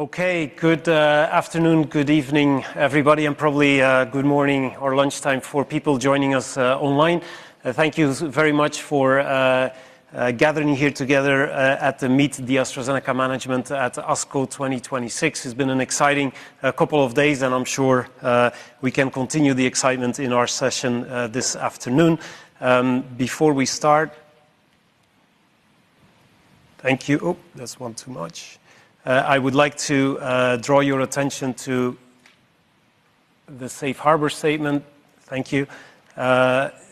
Good afternoon, good evening, everybody, probably good morning or lunchtime for people joining us online. Thank you very much for gathering here together at the Meet the AstraZeneca Management at ASCO 2026. It's been an exciting couple of days, and I'm sure we can continue the excitement in our session this afternoon. Before we start. Thank you. Oh, that's one too much. I would like to draw your attention to the safe harbour statement. Thank you.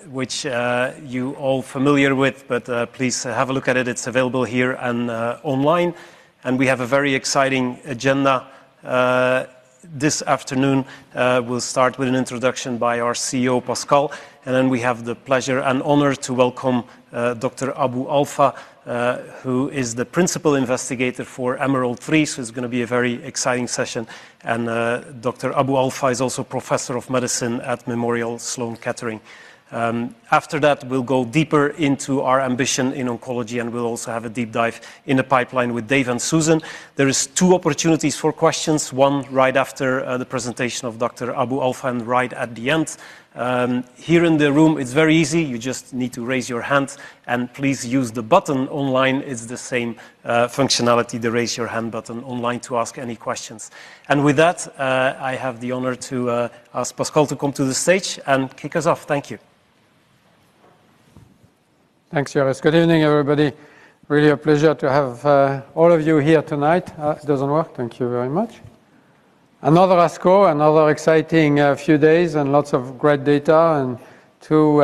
Which you are all familiar with, but please have a look at it. It's available here and online. We have a very exciting agenda this afternoon. We'll start with an introduction by our CEO, Pascal, and then we have the pleasure and honor to welcome Dr. Abou-Alfa, who is the principal investigator for EMERALD-3. It's going to be a very exciting session. Dr. Abou-Alfa is also professor of medicine at Memorial Sloan Kettering. After that, we'll go deeper into our ambition in oncology, and we'll also have a deep dive in the pipeline with Dave and Susan. There is two opportunities for questions, one right after the presentation of Dr. Abou-Alfa and right at the end. Here in the room, it's very easy. You just need to raise your hand, and please use the button. Online is the same functionality, the raise your hand button online to ask any questions. With that, I have the honor to ask Pascal to come to the stage and kick us off. Thank you. Thanks, Joris. Good evening, everybody. Really a pleasure to have all of you here tonight. It doesn't work. Thank you very much. Another ASCO, another exciting few days. Lots of great data, and two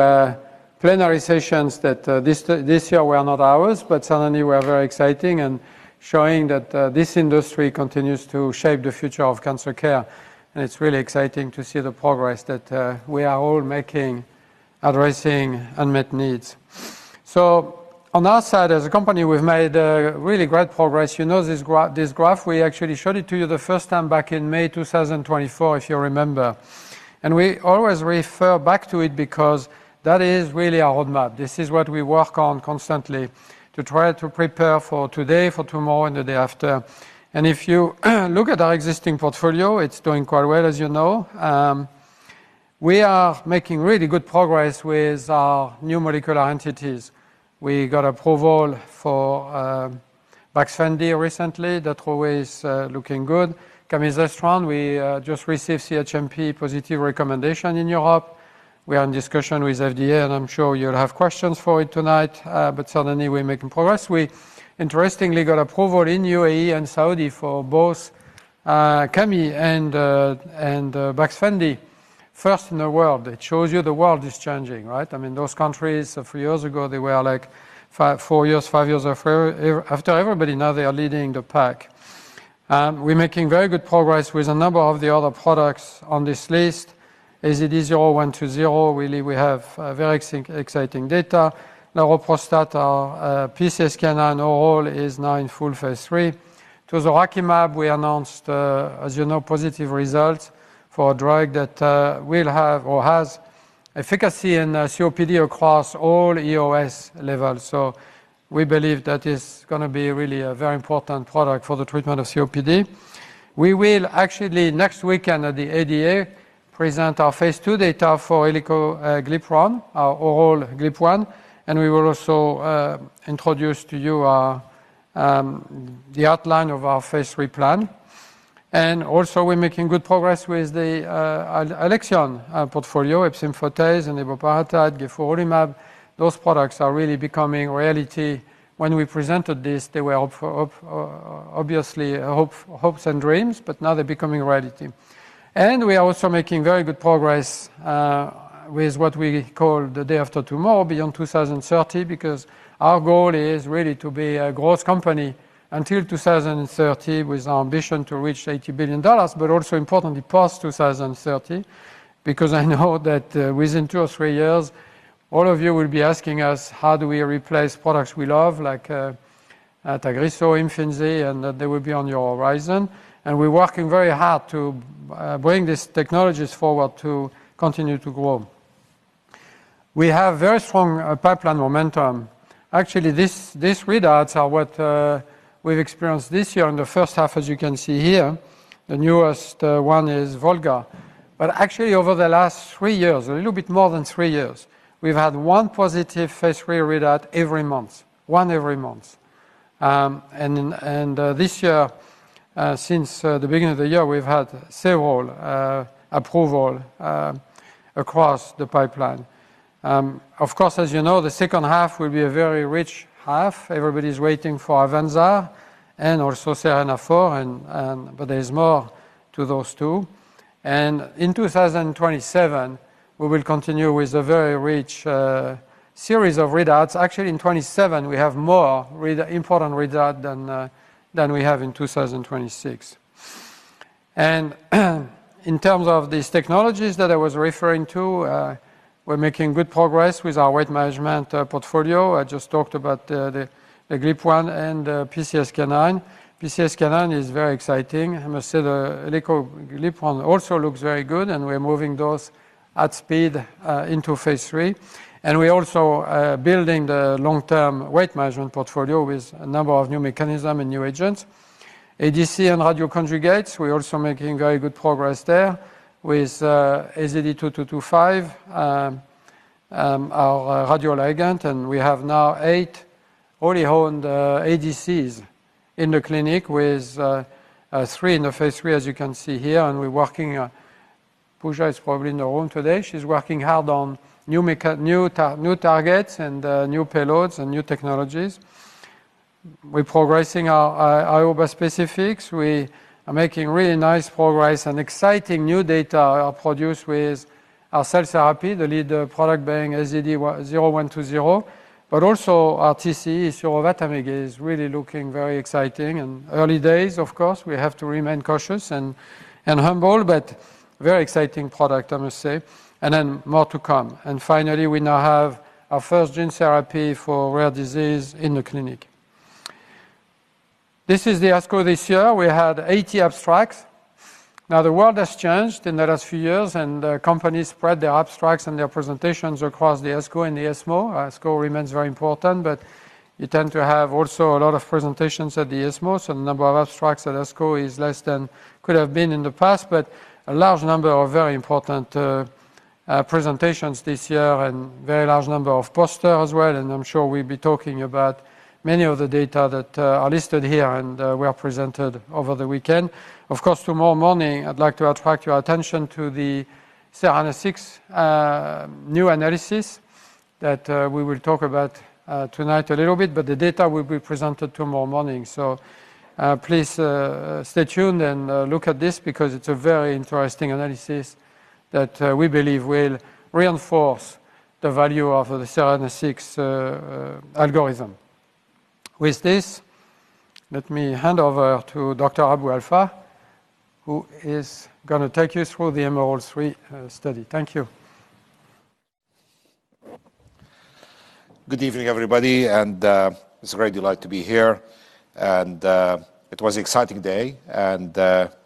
plenary sessions that this year were not ours, but certainly were very exciting and showing that this industry continues to shape the future of cancer care. It's really exciting to see the progress that we are all making, addressing unmet needs. On our side, as a company, we've made really great progress. You know this graph. We actually showed it to you the first time back in May 2024, if you remember. We always refer back to it because that is really our roadmap. This is what we work on constantly to try to prepare for today, for tomorrow, and the day after. If you look at our existing portfolio, it's doing quite well, as you know. We are making really good progress with our new molecular entities. We got approval for Baxfendy recently. That really is looking good. Camizestrant, we just received CHMP positive recommendation in Europe. We are in discussion with FDA, I'm sure you'll have questions for it tonight. Certainly, we're making progress. We interestingly got approval in UAE and Saudi for both cami and Baxfendy, first in the world. It shows you the world is changing, right? I mean, those countries, a few years ago, they were like four years, five years after everybody. Now they are leading the pack. We're making very good progress with a number of the other products on this list. AZD0120, really, we have very exciting data. Now, laroprovstat, our PCSK9 oral is now in full phase III. Tozorakimab, we announced, as you know, positive results for a drug that will have or has efficacy in COPD across all EOS levels. We believe that is going to be really a very important product for the treatment of COPD. We will actually next weekend at the ADA present our phase II data for elecoglipron, our oral GLP-1, and we will also introduce to you the outline of our phase III plan. We're making good progress with the Alexion portfolio, efzimfotase and eneboparatide, gefurulimab. Those products are really becoming reality. When we presented this, they were obviously hopes and dreams, but now they're becoming reality. We are also making very good progress with what we call the day after tomorrow, beyond 2030, because our goal is really to be a growth company until 2030 with our ambition to reach $80 billion, but also importantly past 2030. I know that within two or three years, all of you will be asking us how do we replace products we love like Tagrisso, Imfinzi, and they will be on your horizon. We're working very hard to bring these technologies forward to continue to grow. We have very strong pipeline momentum. Actually, these readouts are what we've experienced this year in the first half, as you can see here. The newest one is VOLGA. Actually, over the last three years, a little bit more than three years, we've had one positive phase III readout every month. One every month. This year, since the beginning of the year, we've had several approvals across the pipeline. Of course, as you know, the second half will be a very rich half. Everybody's waiting for AVANZAR and also SERENA-4, but there's more to those two. In 2027, we will continue with a very rich series of readouts. Actually, in 2027, we have more important readouts than we have in 2026. In terms of these technologies that I was referring to, we're making good progress with our weight management portfolio. I just talked about the GLP-1 and PCSK9. PCSK9 is very exciting. I must say the elecoglipron GLP-1 also looks very good, and we're moving those at speed into phase III. We're also building the long-term weight management portfolio with a number of new mechanisms and new agents. ADC and Radioconjugates, we're also making very good progress there with AZD2225, our radioligand, and we have now eight already honed ADCs in the clinic with three in the phase III, as you can see here. Puja is probably in the room today. She's working hard on new targets and new payloads and new technologies. We're progressing our IO bispecifics. We are making really nice progress and exciting new data are produced with our cell therapy, the lead product being AZD0120, but also our TCE, surovatamig, is really looking very exciting. Early days, of course, we have to remain cautious and humble, but very exciting product, I must say. More to come. Finally, we now have our first gene therapy for rare disease in the clinic. This is the ASCO this year. We had 80 abstracts. The world has changed in the last few years, and companies spread their abstracts and their presentations across the ASCO and the ESMO. ASCO remains very important, you tend to have also a lot of presentations at the ESMO, so the number of abstracts at ASCO is less than could have been in the past. A large number of very important presentations this year and very large number of poster as well, and I'm sure we'll be talking about many of the data that are listed here and were presented over the weekend. Of course, tomorrow morning, I'd like to attract your attention to the SERENA-6 new analysis that we will talk about tonight a little bit. The data will be presented tomorrow morning. Please stay tuned and look at this because it's a very interesting analysis that we believe will reinforce the value of the SERENA-6 algorithm. With this, let me hand over to Dr. Abou-Alfa, who is going to take you through the EMERALD-3 study. Thank you. Good evening, everybody. It's a great delight to be here. It was an exciting day, and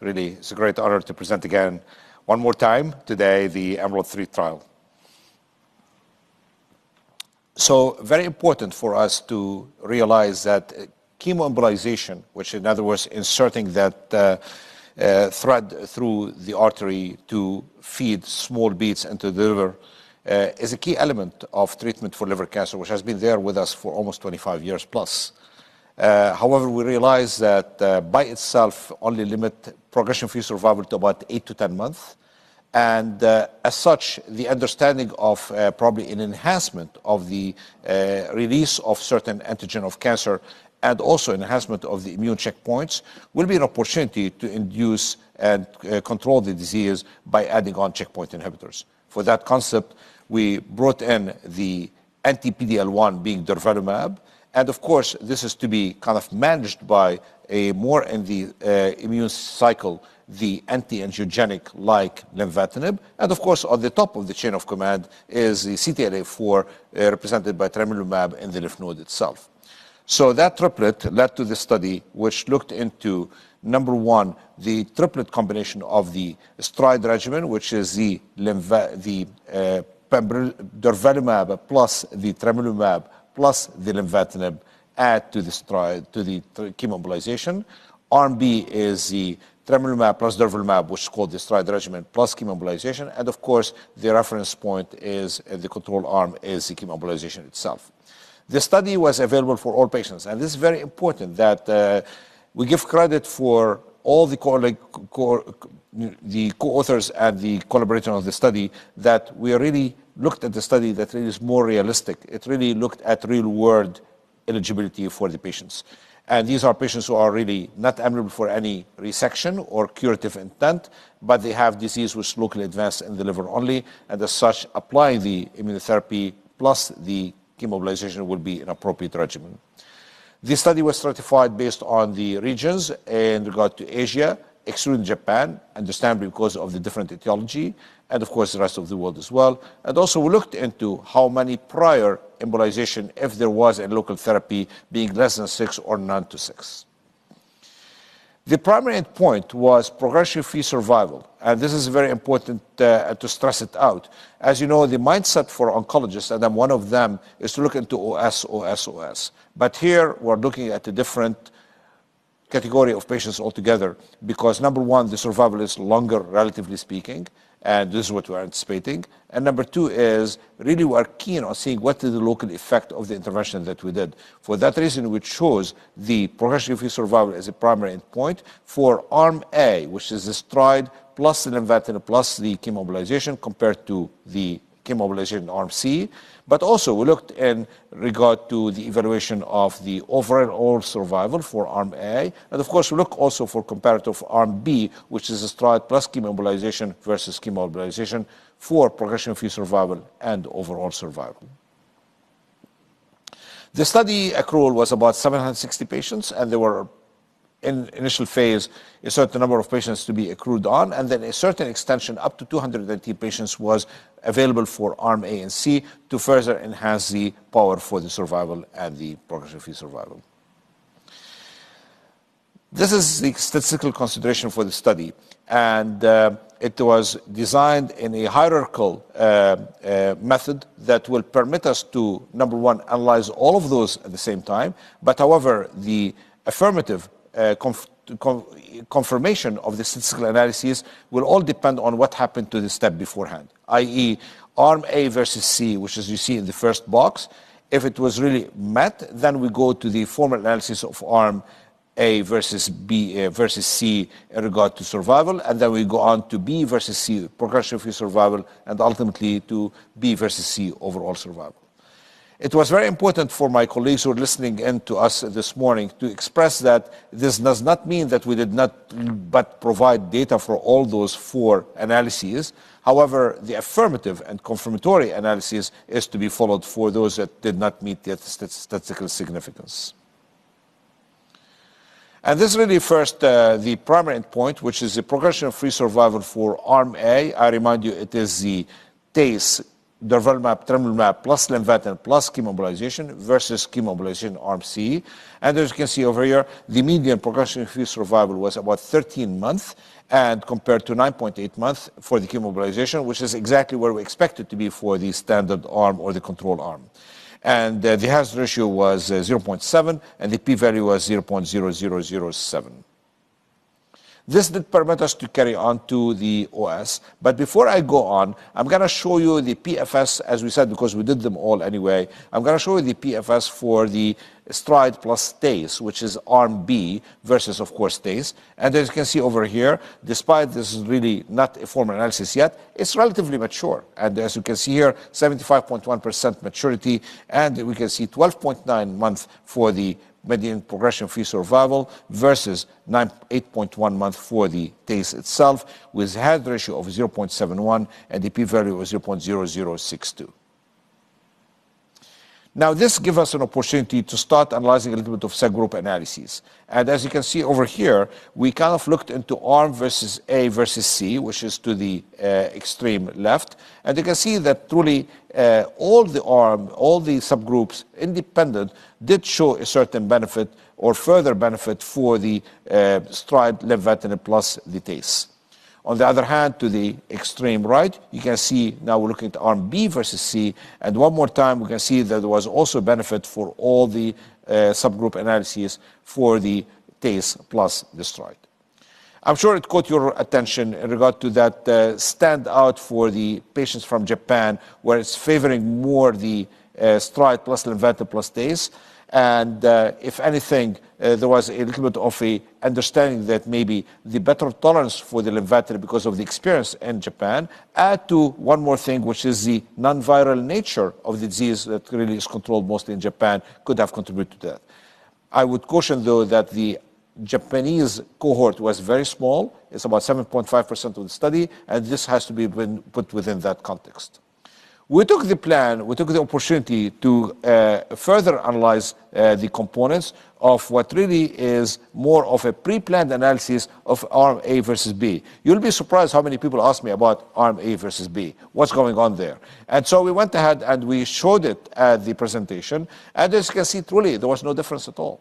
really, it's a great honor to present again one more time today the EMERALD-3 trial. Very important for us to realize that chemoembolization, which in other words, inserting that thread through the artery to feed small beads into the liver, is a key element of treatment for liver cancer, which has been there with us for almost 25 years+. However, we realize that by itself only limit progression-free survival to about 8 to 10 months. As such, the understanding of probably an enhancement of the release of certain antigen of cancer and also enhancement of the immune checkpoints will be an opportunity to induce and control the disease by adding on checkpoint inhibitors. For that concept, we brought in the anti PD-L1 being durvalumab, and of course, this is to be kind of managed by a more immune cycle, the anti-angiogenic like lenvatinib. Of course, on the top of the chain of command is the CTLA4 represented by tremelimumab in the lymph node itself. That triplet led to the study, which looked into, number one, the triplet combination of the STRIDE regimen, which is the durvalumab plus the tremelimumab plus the lenvatinib add to the chemoembolization. Arm B is the tremelimumab plus durvalumab, which is called the STRIDE regimen plus chemoembolization. Of course, the reference point is the control arm is the chemoembolization itself. The study was available for all patients. This is very important that we give credit for all the co-authors and the collaborators of the study that we really looked at the study that it is more realistic. It really looked at real-world eligibility for the patients. These are patients who are really not eligible for any resection or curative intent, but they have disease which locally advanced in the liver only, and as such, applying the immunotherapy plus the chemoembolization will be an appropriate regimen. The study was stratified based on the regions in regard to Asia, excluding Japan, understandably, because of the different etiology, and of course, the rest of the world as well. Also, we looked into how many prior embolization, if there was a local therapy being less than six or none to six. The primary endpoint was progression-free survival, and this is very important to stress it out. As you know, the mindset for oncologists, and I'm one of them, is to look into OS, OS. Here we're looking at a different category of patients altogether because number one, the survival is longer relatively speaking, and this is what we are anticipating. Number two is really we are keen on seeing what is the local effect of the intervention that we did. For that reason, we chose the progression-free survival as a primary endpoint for Arm A, which is the STRIDE plus lenvatinib plus the chemoembolization compared to the chemoembolization in Arm C. Also we looked in regard to the evaluation of the overall survival for Arm A. Of course, we look also for comparative Arm B, which is a STRIDE plus chemoembolization versus chemoembolization for progression-free survival and overall survival. The study accrual was about 760 patients. They were in initial phase, a certain number of patients to be accrued on. Then a certain extension up to 218 patients was available for Arm A and C to further enhance the power for the survival and the progression-free survival. This is the statistical consideration for the study, and it was designed in a hierarchical method that will permit us to, number one, analyze all of those at the same time. However, the affirmative confirmation of the statistical analyses will all depend on what happened to the step beforehand, i.e. Arm A versus C, which as you see in the first box, if it was really met, then we go to the formal analysis of Arm A versus C in regard to survival, then we go on to B versus C, progression-free survival, and ultimately to B versus C overall survival. It was very important for my colleagues who are listening in to us this morning to express that this does not mean that we did not but provide data for all those four analyses. However, the affirmative and confirmatory analysis is to be followed for those that did not meet the statistical significance. This really first, the primary endpoint, which is the progression-free survival for Arm A. I remind you it is the TACE, durvalumab, tremelimumab plus lenvatinib plus chemoembolization versus chemoembolization Arm C. As you can see over here, the median progression-free survival was about 13 months compared to 9.8 months for the chemoembolization, which is exactly where we expect it to be for the standard arm or the control arm. The hazard ratio was 0.7, and the P value was 0.0007. This did permit us to carry on to the OS. Before I go on, I'm going to show you the PFS, as we said, because we did them all anyway. I'm going to show you the PFS for the STRIDE + TACE, which is Arm B versus, of course, TACE. As you can see over here, despite this is really not a formal analysis yet, it's relatively mature. As you can see here, 75.1% maturity, we can see 12.9 months for the median progression-free survival versus 8.1 months for the TACE itself, with a hazard ratio of 0.71 and the P value of 0.0062. This gives us an opportunity to start analyzing a little bit of subgroup analysis. As you can see over here, we kind of looked into Arm versus A versus C, which is to the extreme left. You can see that truly, all the subgroups independent did show a certain benefit or further benefit for the STRIDE lenvatinib plus the TACE. On the other hand, to the extreme right, you can see now we're looking at Arm B versus C, and one more time, we can see that there was also benefit for all the subgroup analysis for the TACE plus the STRIDE. I'm sure it caught your attention in regard to that standout for the patients from Japan, where it's favoring more the STRIDE plus lenvatinib plus TACE. If anything, there was a little bit of a understanding that maybe the better tolerance for the lenvatinib because of the experience in Japan add to one more thing, which is the non-viral nature of the disease that really is controlled mostly in Japan could have contributed to that. I would caution, though, that the Japanese cohort was very small. It's about 7.5% of the study, and this has to be put within that context. We took the plan, we took the opportunity to further analyze the components of what really is more of a pre-planned analysis of Arm A versus B. You'll be surprised how many people ask me about Arm A versus B, what's going on there. We went ahead and we showed it at the presentation, and as you can see, truly, there was no difference at all.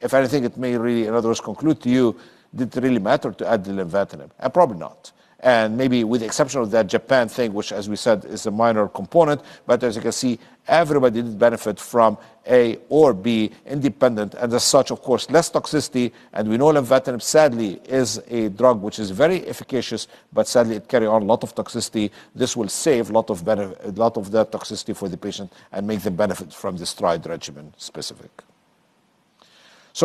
If anything, it may really, in other words, conclude to you, did it really matter to add the lenvatinib? Probably not. Maybe with the exception of that Japan thing, which as we said, is a minor component, but as you can see, everybody did benefit from A or B independent. As such, of course, less toxicity, and we know lenvatinib sadly is a drug which is very efficacious, but sadly it carry on lot of toxicity. This will save a lot of that toxicity for the patient and make the benefit from the STRIDE regimen specific.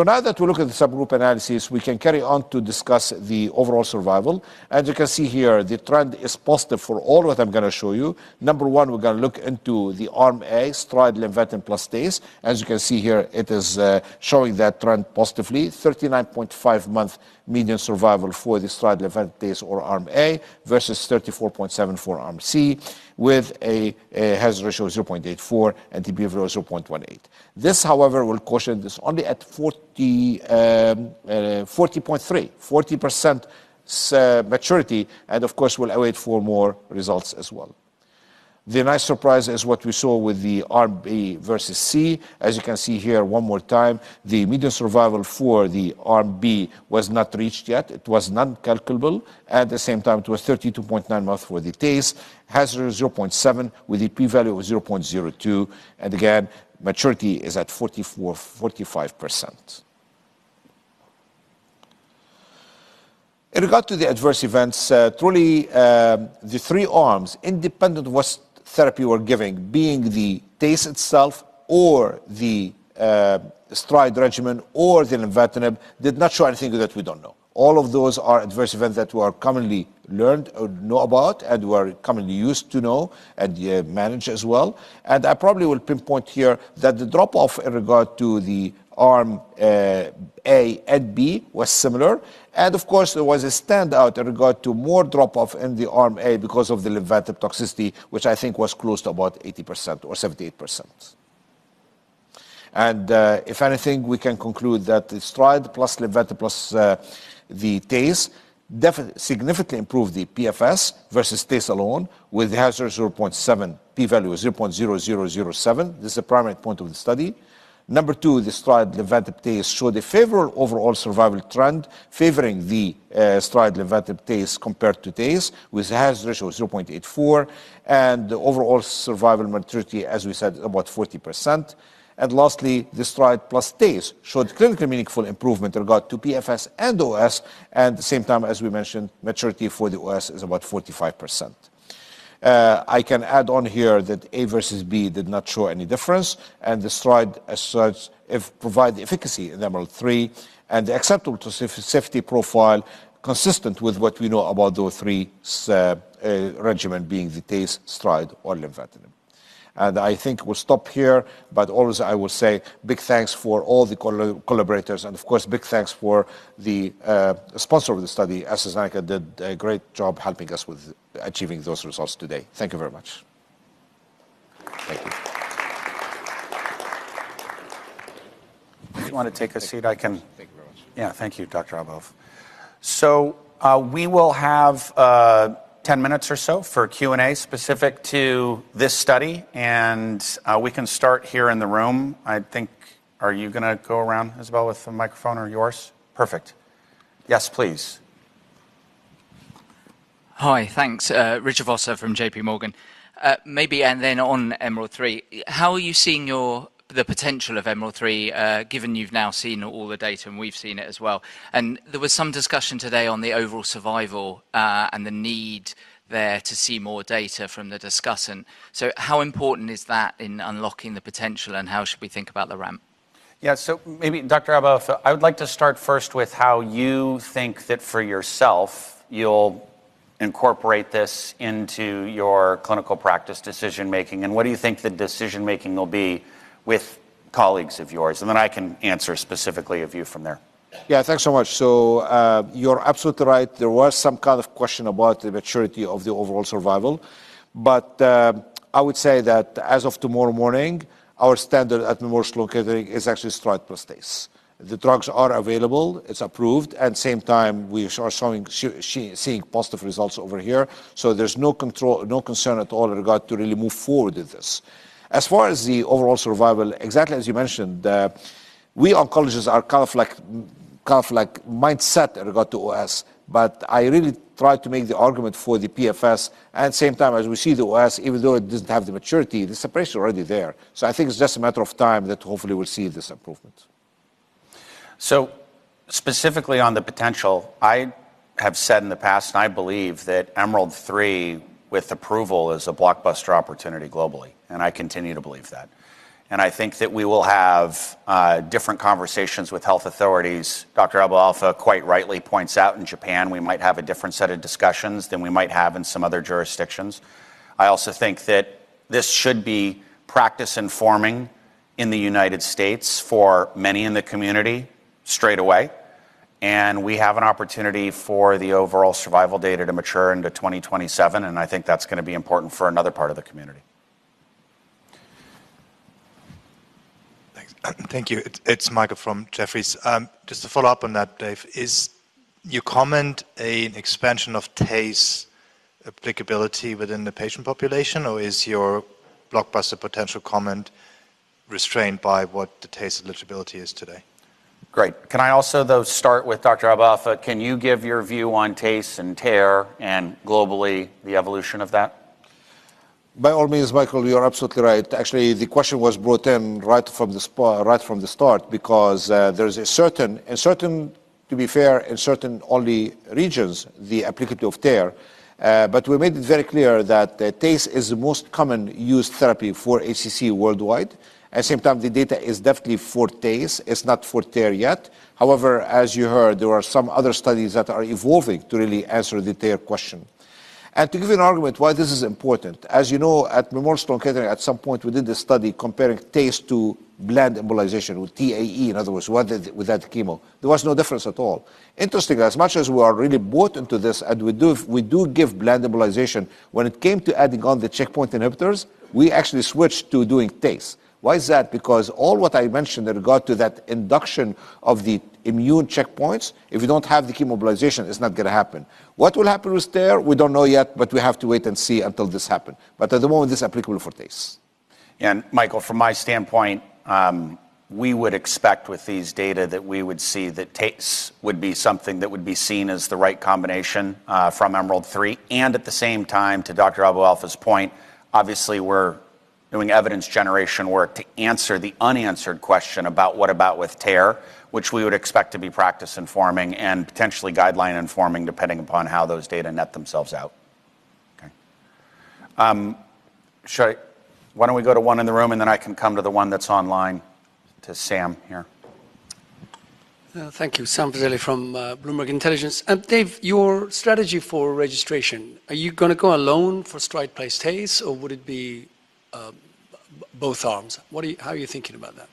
Now that we look at the subgroup analysis, we can carry on to discuss the overall survival. As you can see here, the trend is positive for all that I'm going to show you. Number one, we're going to look into the Arm A, STRIDE lenvatinib plus TACE. As you can see here, it is showing that trend positively, 39.5-month median survival for the STRIDE lenvatinib or Arm A versus 34.7 for Arm C with a hazard ratio of 0.84 and the P of 0.18. This, however, will caution this only at 40.3%, 40% maturity, and of course, we'll await for more results as well. The nice surprise is what we saw with the Arm B versus C. As you can see here one more time, the median survival for the Arm B was not reached yet. It was non-calculable. At the same time, it was 32.9 months for the TACE, hazard ratio 0.7 with a P value of 0.02. Again, maturity is at 45%. In regard to the adverse events, truly, the three ARMs, independent what therapy we're giving, being the TACE itself or the STRIDE regimen or the lenvatinib, did not show anything that we don't know. All of those are adverse events that we are commonly learned or know about and we are commonly used to know and manage as well. I probably will pinpoint here that the drop-off in regard to the Arm A and B was similar. Of course, there was a standout in regard to more drop-off in the Arm A because of the lenvatinib toxicity, which I think was close to about 80% or 78%. If anything, we can conclude that the STRIDE plus lenvatinib plus the TACE definitely significantly improved the PFS versus TACE alone with hazard 0.7, P value 0.0007. This is a primary point of the study. Number two, the STRIDE lenvatinib TACE showed a favorable overall survival trend, favoring the STRIDE lenvatinib TACE compared to TACE with hazard ratio 0.84 and the overall survival maturity, as we said, about 40%. Lastly, the STRIDE plus TACE showed clinically meaningful improvement in regard to PFS and OS. At the same time, as we mentioned, maturity for the OS is about 45%. I can add on here that A versus B did not show any difference, the STRIDE as such provide efficacy in EMERALD-3 and the acceptable safety profile consistent with what we know about those three regimen being the TACE, STRIDE or lenvatinib. I think we'll stop here, always I will say big thanks for all the collaborators and of course big thanks for the sponsor of the study. AstraZeneca did a great job helping us with achieving those results today. Thank you very much. Thank you. Do you want to take a seat? Thank you very much. Thank you, Dr. Abou-Alfa. We will have ten minutes or so for Q&A specific to this study, and we can start here in the room, I think. Are you going to go around as well with the microphone or yours? Perfect. Yes, please. Hi. Thanks. Richard Vosser from JPMorgan. Maybe on EMERALD-3, how are you seeing the potential of EMERALD-3, given you've now seen all the data and we've seen it as well? There was some discussion today on the overall survival, and the need there to see more data from the discussant. How important is that in unlocking the potential and how should we think about the ramp? Yeah. Maybe Dr. Abou-Alfa, I would like to start first with how you think that for yourself you'll incorporate this into your clinical practice decision-making, and what do you think the decision-making will be with colleagues of yours? Then I can answer specifically a view from there. Yeah. Thanks so much. You're absolutely right. There was some kind of question about the maturity of the overall survival. I would say that as of tomorrow morning, our standard at Memorial Sloan Kettering is actually STRIDE plus TACE. The drugs are available, it's approved, at the same time, we are seeing positive results over here, so there's no concern at all in regard to really move forward with this. As far as the overall survival, exactly as you mentioned, we oncologists are kind of like mindset in regard to OS, but I really try to make the argument for the PFS, at the same time as we see the OS, even though it doesn't have the maturity, the suppression already there. I think it's just a matter of time that hopefully we'll see this improvement. Specifically on the potential, I have said in the past, and I believe that EMERALD-3 with approval is a blockbuster opportunity globally, and I continue to believe that. I think that we will have different conversations with health authorities. Dr. Abou-Alfa quite rightly points out in Japan we might have a different set of discussions than we might have in some other jurisdictions. I also think that this should be practice informing in the United States for many in the community straight away, and we have an opportunity for the overall survival data to mature into 2027, and I think that's going to be important for another part of the community. Thanks. Thank you. It is Michael from Jefferies. Just to follow up on that, Dave, is your comment an expansion of TACE applicability within the patient population, or is your blockbuster potential comment restrained by what the TACE eligibility is today? Great. Can I also though start with Dr. Abou-Alfa? Can you give your view on TACE and TARE and globally the evolution of that? By all means, Michael, you're absolutely right. Actually, the question was brought in right from the start because there's, to be fair, in certain early regions the applicability of TARE. We made it very clear that the TACE is the most common used therapy for HCC worldwide. At the same time, the data is definitely for TACE. It's not for TARE yet. However, as you heard, there are some other studies that are evolving to really answer the TARE question. To give you an argument why this is important, as you know, at Memorial Sloan Kettering, at some point we did this study comparing TACE to bland embolization with TAE. In other words, one without chemo. There was no difference at all. Interestingly, as much as we are really bought into this, and we do give bland embolization, when it came to adding on the checkpoint inhibitors, we actually switched to doing TACE. Why is that? All what I mentioned in regard to that induction of the immune checkpoints, if you don't have the chemoembolization, it's not going to happen. What will happen with TARE, we don't know yet, but we have to wait and see until this happen. At the moment, this applicable for TACE. Michael, from my standpoint, we would expect with these data that we would see that TACE would be something that would be seen as the right combination, from EMERALD-3. At the same time, to Dr. Abou-Alfa's point, obviously we're doing evidence generation work to answer the unanswered question about what about with TARE, which we would expect to be practice informing and potentially guideline informing depending upon how those data net themselves out. Okay. Why don't we go to one in the room and then I can come to the one that's online to Sam here. Thank you. Sam Fazeli from Bloomberg Intelligence. Dave, your strategy for registration, are you going to go alone for STRIDE plus TACE or would it be both Arms? How are you thinking about that?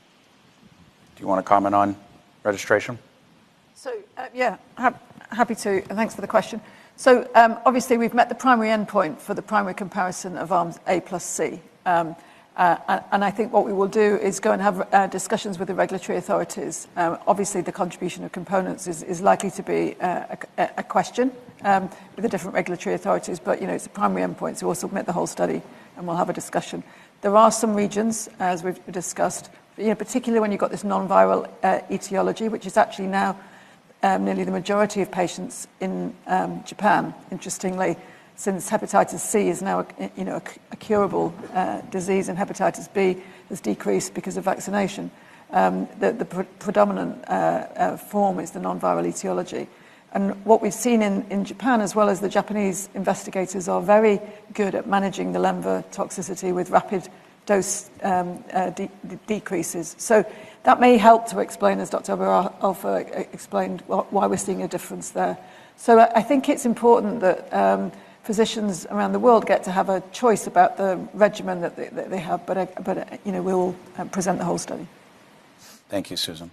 Do you want to comment on registration? Yeah. Happy to, and thanks for the question. Obviously we've met the primary endpoint for the primary comparison of Arms A plus C. I think what we will do is go and have discussions with the regulatory authorities. Obviously, the contribution of components is likely to be a question with the different regulatory authorities, but it's a primary endpoint, so we'll submit the whole study, and we'll have a discussion. There are some regions, as we've discussed, particularly when you've got this non-viral etiology, which is actually now nearly the majority of patients in Japan, interestingly, since hepatitis C is now a curable disease, and hepatitis B has decreased because of vaccination. The predominant form is the non-viral etiology. What we've seen in Japan as well is the Japanese investigators are very good at managing the lenvatinib toxicity with rapid dose decreases. That may help to explain, as Dr. Abou-Alfa explained, why we're seeing a difference there. I think it's important that physicians around the world get to have a choice about the regimen that they have. We will present the whole study. Thank you, Susan.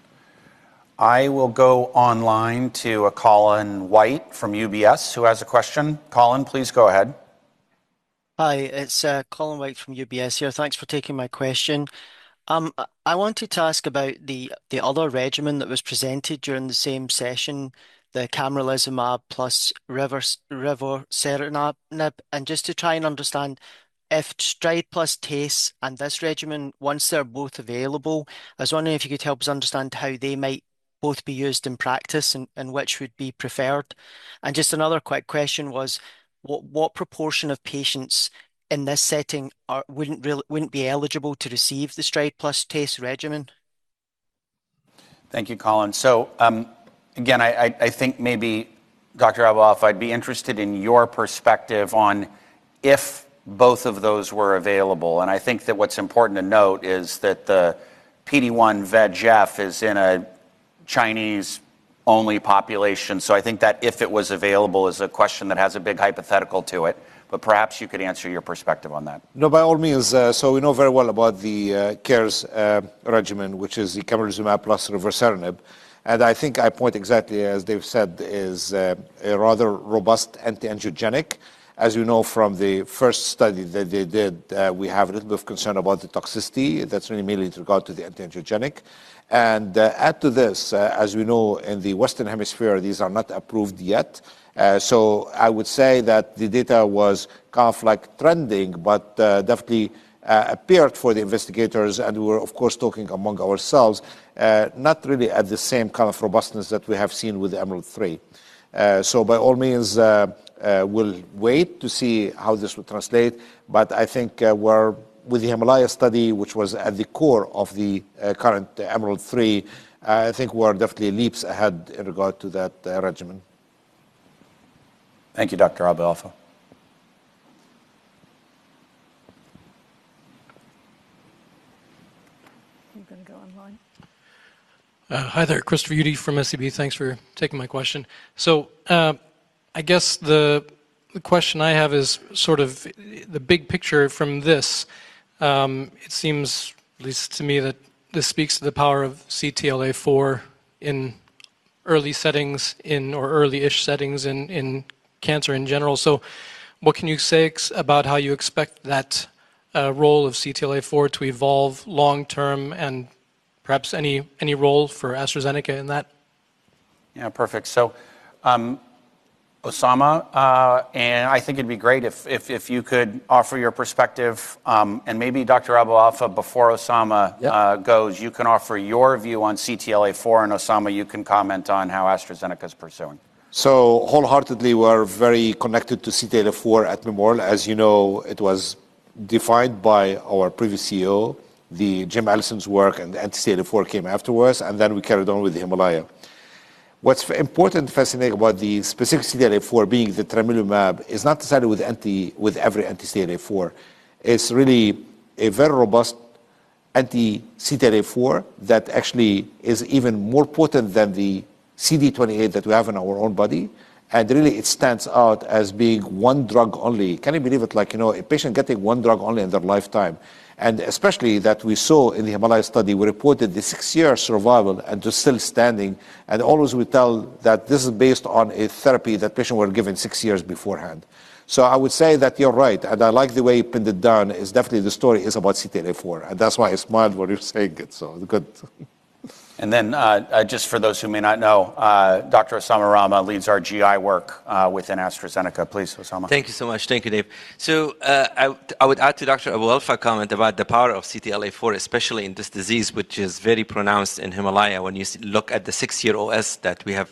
I will go online to Colin White from UBS, who has a question. Colin, please go ahead. Hi, it's Colin White from UBS here. Thanks for taking my question. I wanted to ask about the other regimen that was presented during the same session, the camrelizumab plus rivoceranib. Just to try and understand if STRIDE plus TACE and this regimen, once they're both available, I was wondering if you could help us understand how they might both be used in practice, and which would be preferred. Just another quick question was what proportion of patients in this setting wouldn't be eligible to receive the STRIDE plus TACE regimen? Thank you, Colin. Again, I think maybe Dr. Abou-Alfa, I'd be interested in your perspective on if both of those were available. I think that what's important to note is that the PD-1/VEGF is in a Chinese-only population, so I think that if it was available is a question that has a big hypothetical to it, but perhaps you could answer your perspective on that. No, by all means. We know very well about the CARES regimen, which is the camrelizumab plus rivoceranib. I think I point exactly as Dave said, is a rather robust anti-angiogenic. As we know from the first study that they did, we have a little bit of concern about the toxicity. That's really mainly with regard to the anti-angiogenic. Add to this, as we know in the Western Hemisphere, these are not approved yet. I would say that the data was trending, but definitely appeared for the investigators and we're, of course, talking among ourselves, not really at the same kind of robustness that we have seen with EMERALD-3. By all means, we'll wait to see how this will translate, but I think with the HIMALAYA study, which was at the core of the current EMERALD-3, I think we're definitely leaps ahead in regard to that regimen. Thank you, Dr. Abou-Alfa. You can go online. Hi there. Chris Uhde from SEB. Thanks for taking my question. I guess the question I have is sort of the big picture from this. It seems, at least to me, that this speaks to the power of CTLA-4 in early settings or early-ish settings in cancer in general. What can you say about how you expect that role of CTLA-4 to evolve long term and perhaps any role for AstraZeneca in that? Yeah. Perfect. Osama, and I think it'd be great if you could offer your perspective, and maybe Dr. Abou-Alfa before Osama - Yeah - goes, you can offer your view on CTLA-4. Osama, you can comment on how AstraZeneca's pursuing. Wholeheartedly, we're very connected to CTLA-4 at Memorial. As you know, it was defined by our previous CEO. Jim Allison's work and anti-CTLA-4 came afterwards, then we carried on with the HIMALAYA. What's important and fascinating about the specific CTLA-4 being the tremelimumab is not necessarily with every anti-CTLA-4. It's really a very robust anti-CTLA-4 that actually is even more potent than the CD28 that we have in our own body. Really it stands out as being one drug only. Can you believe it? Like, a patient getting one drug only in their lifetime. Especially that we saw in the HIMALAYA study, we reported the six-year survival and just still standing, and always we tell that this is based on a therapy that patients were given six years beforehand. I would say that you're right, and I like the way you pinned it down. It's definitely the story is about CTLA-4, and that's why I smiled what you're saying it, so it's good. Just for those who may not know, Dr. Osama Rahma leads our GI work within AstraZeneca. Please, Osama. Thank you so much. Thank you, Dave. I would add to Dr. Abou-Alfa comment about the power of CTLA4, especially in this disease, which is very pronounced in HIMALAYA when you look at the six-year OS that we have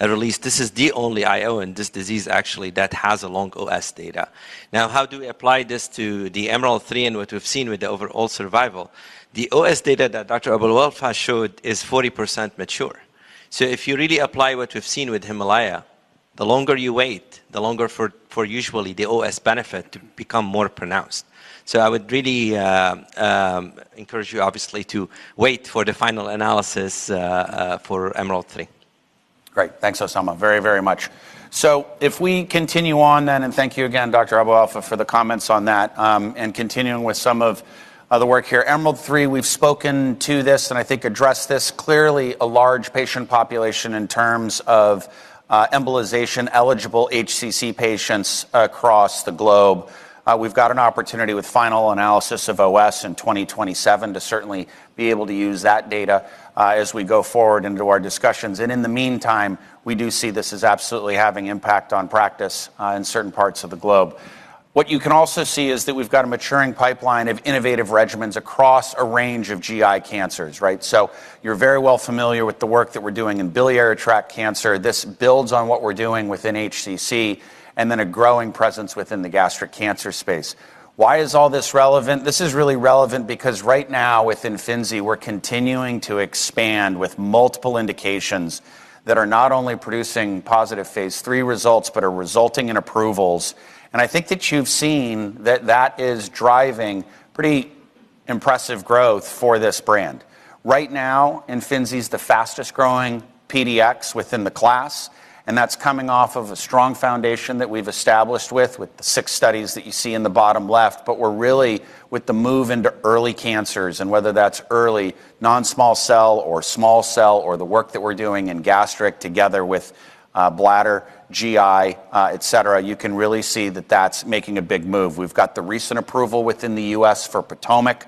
released. This is the only IO in this disease actually that has a long OS data. How do we apply this to the EMERALD-3 and what we've seen with the overall survival? The OS data that Dr. Abou-Alfa showed is 40% mature. If you really apply what we've seen with HIMALAYA, the longer you wait, the longer for usually the OS benefit to become more pronounced. I would really encourage you obviously to wait for the final analysis for EMERALD-3. Great. Thanks, Osama, very much. If we continue on then, and thank you again, Dr. Abou-Alfa for the comments on that, and continuing with some of the work here. EMERALD-3, we've spoken to this and I think addressed this. Clearly, a large patient population in terms of embolization-eligible HCC patients across the globe. We've got an opportunity with final analysis of OS in 2027 to certainly be able to use that data as we go forward into our discussions. In the meantime, we do see this as absolutely having impact on practice in certain parts of the globe. What you can also see is that we've got a maturing pipeline of innovative regimens across a range of GI cancers, right? You're very well familiar with the work that we're doing in biliary tract cancer. This builds on what we're doing within HCC and then a growing presence within the gastric cancer space. Why is all this relevant? This is really relevant because right now with Imfinzi, we're continuing to expand with multiple indications that are not only producing positive phase III results, but are resulting in approvals. I think that you've seen that that is driving pretty impressive growth for this brand. Right now, Imfinzi's the fastest-growing PD-L1 within the class, and that's coming off of a strong foundation that we've established with the six studies that you see in the bottom left. We're really with the move into early cancers, and whether that's early non-small cell or small cell or the work that we're doing in gastric together with bladder, GI, et cetera, you can really see that that's making a big move. We've got the recent approval within the U.S. for POTOMAC.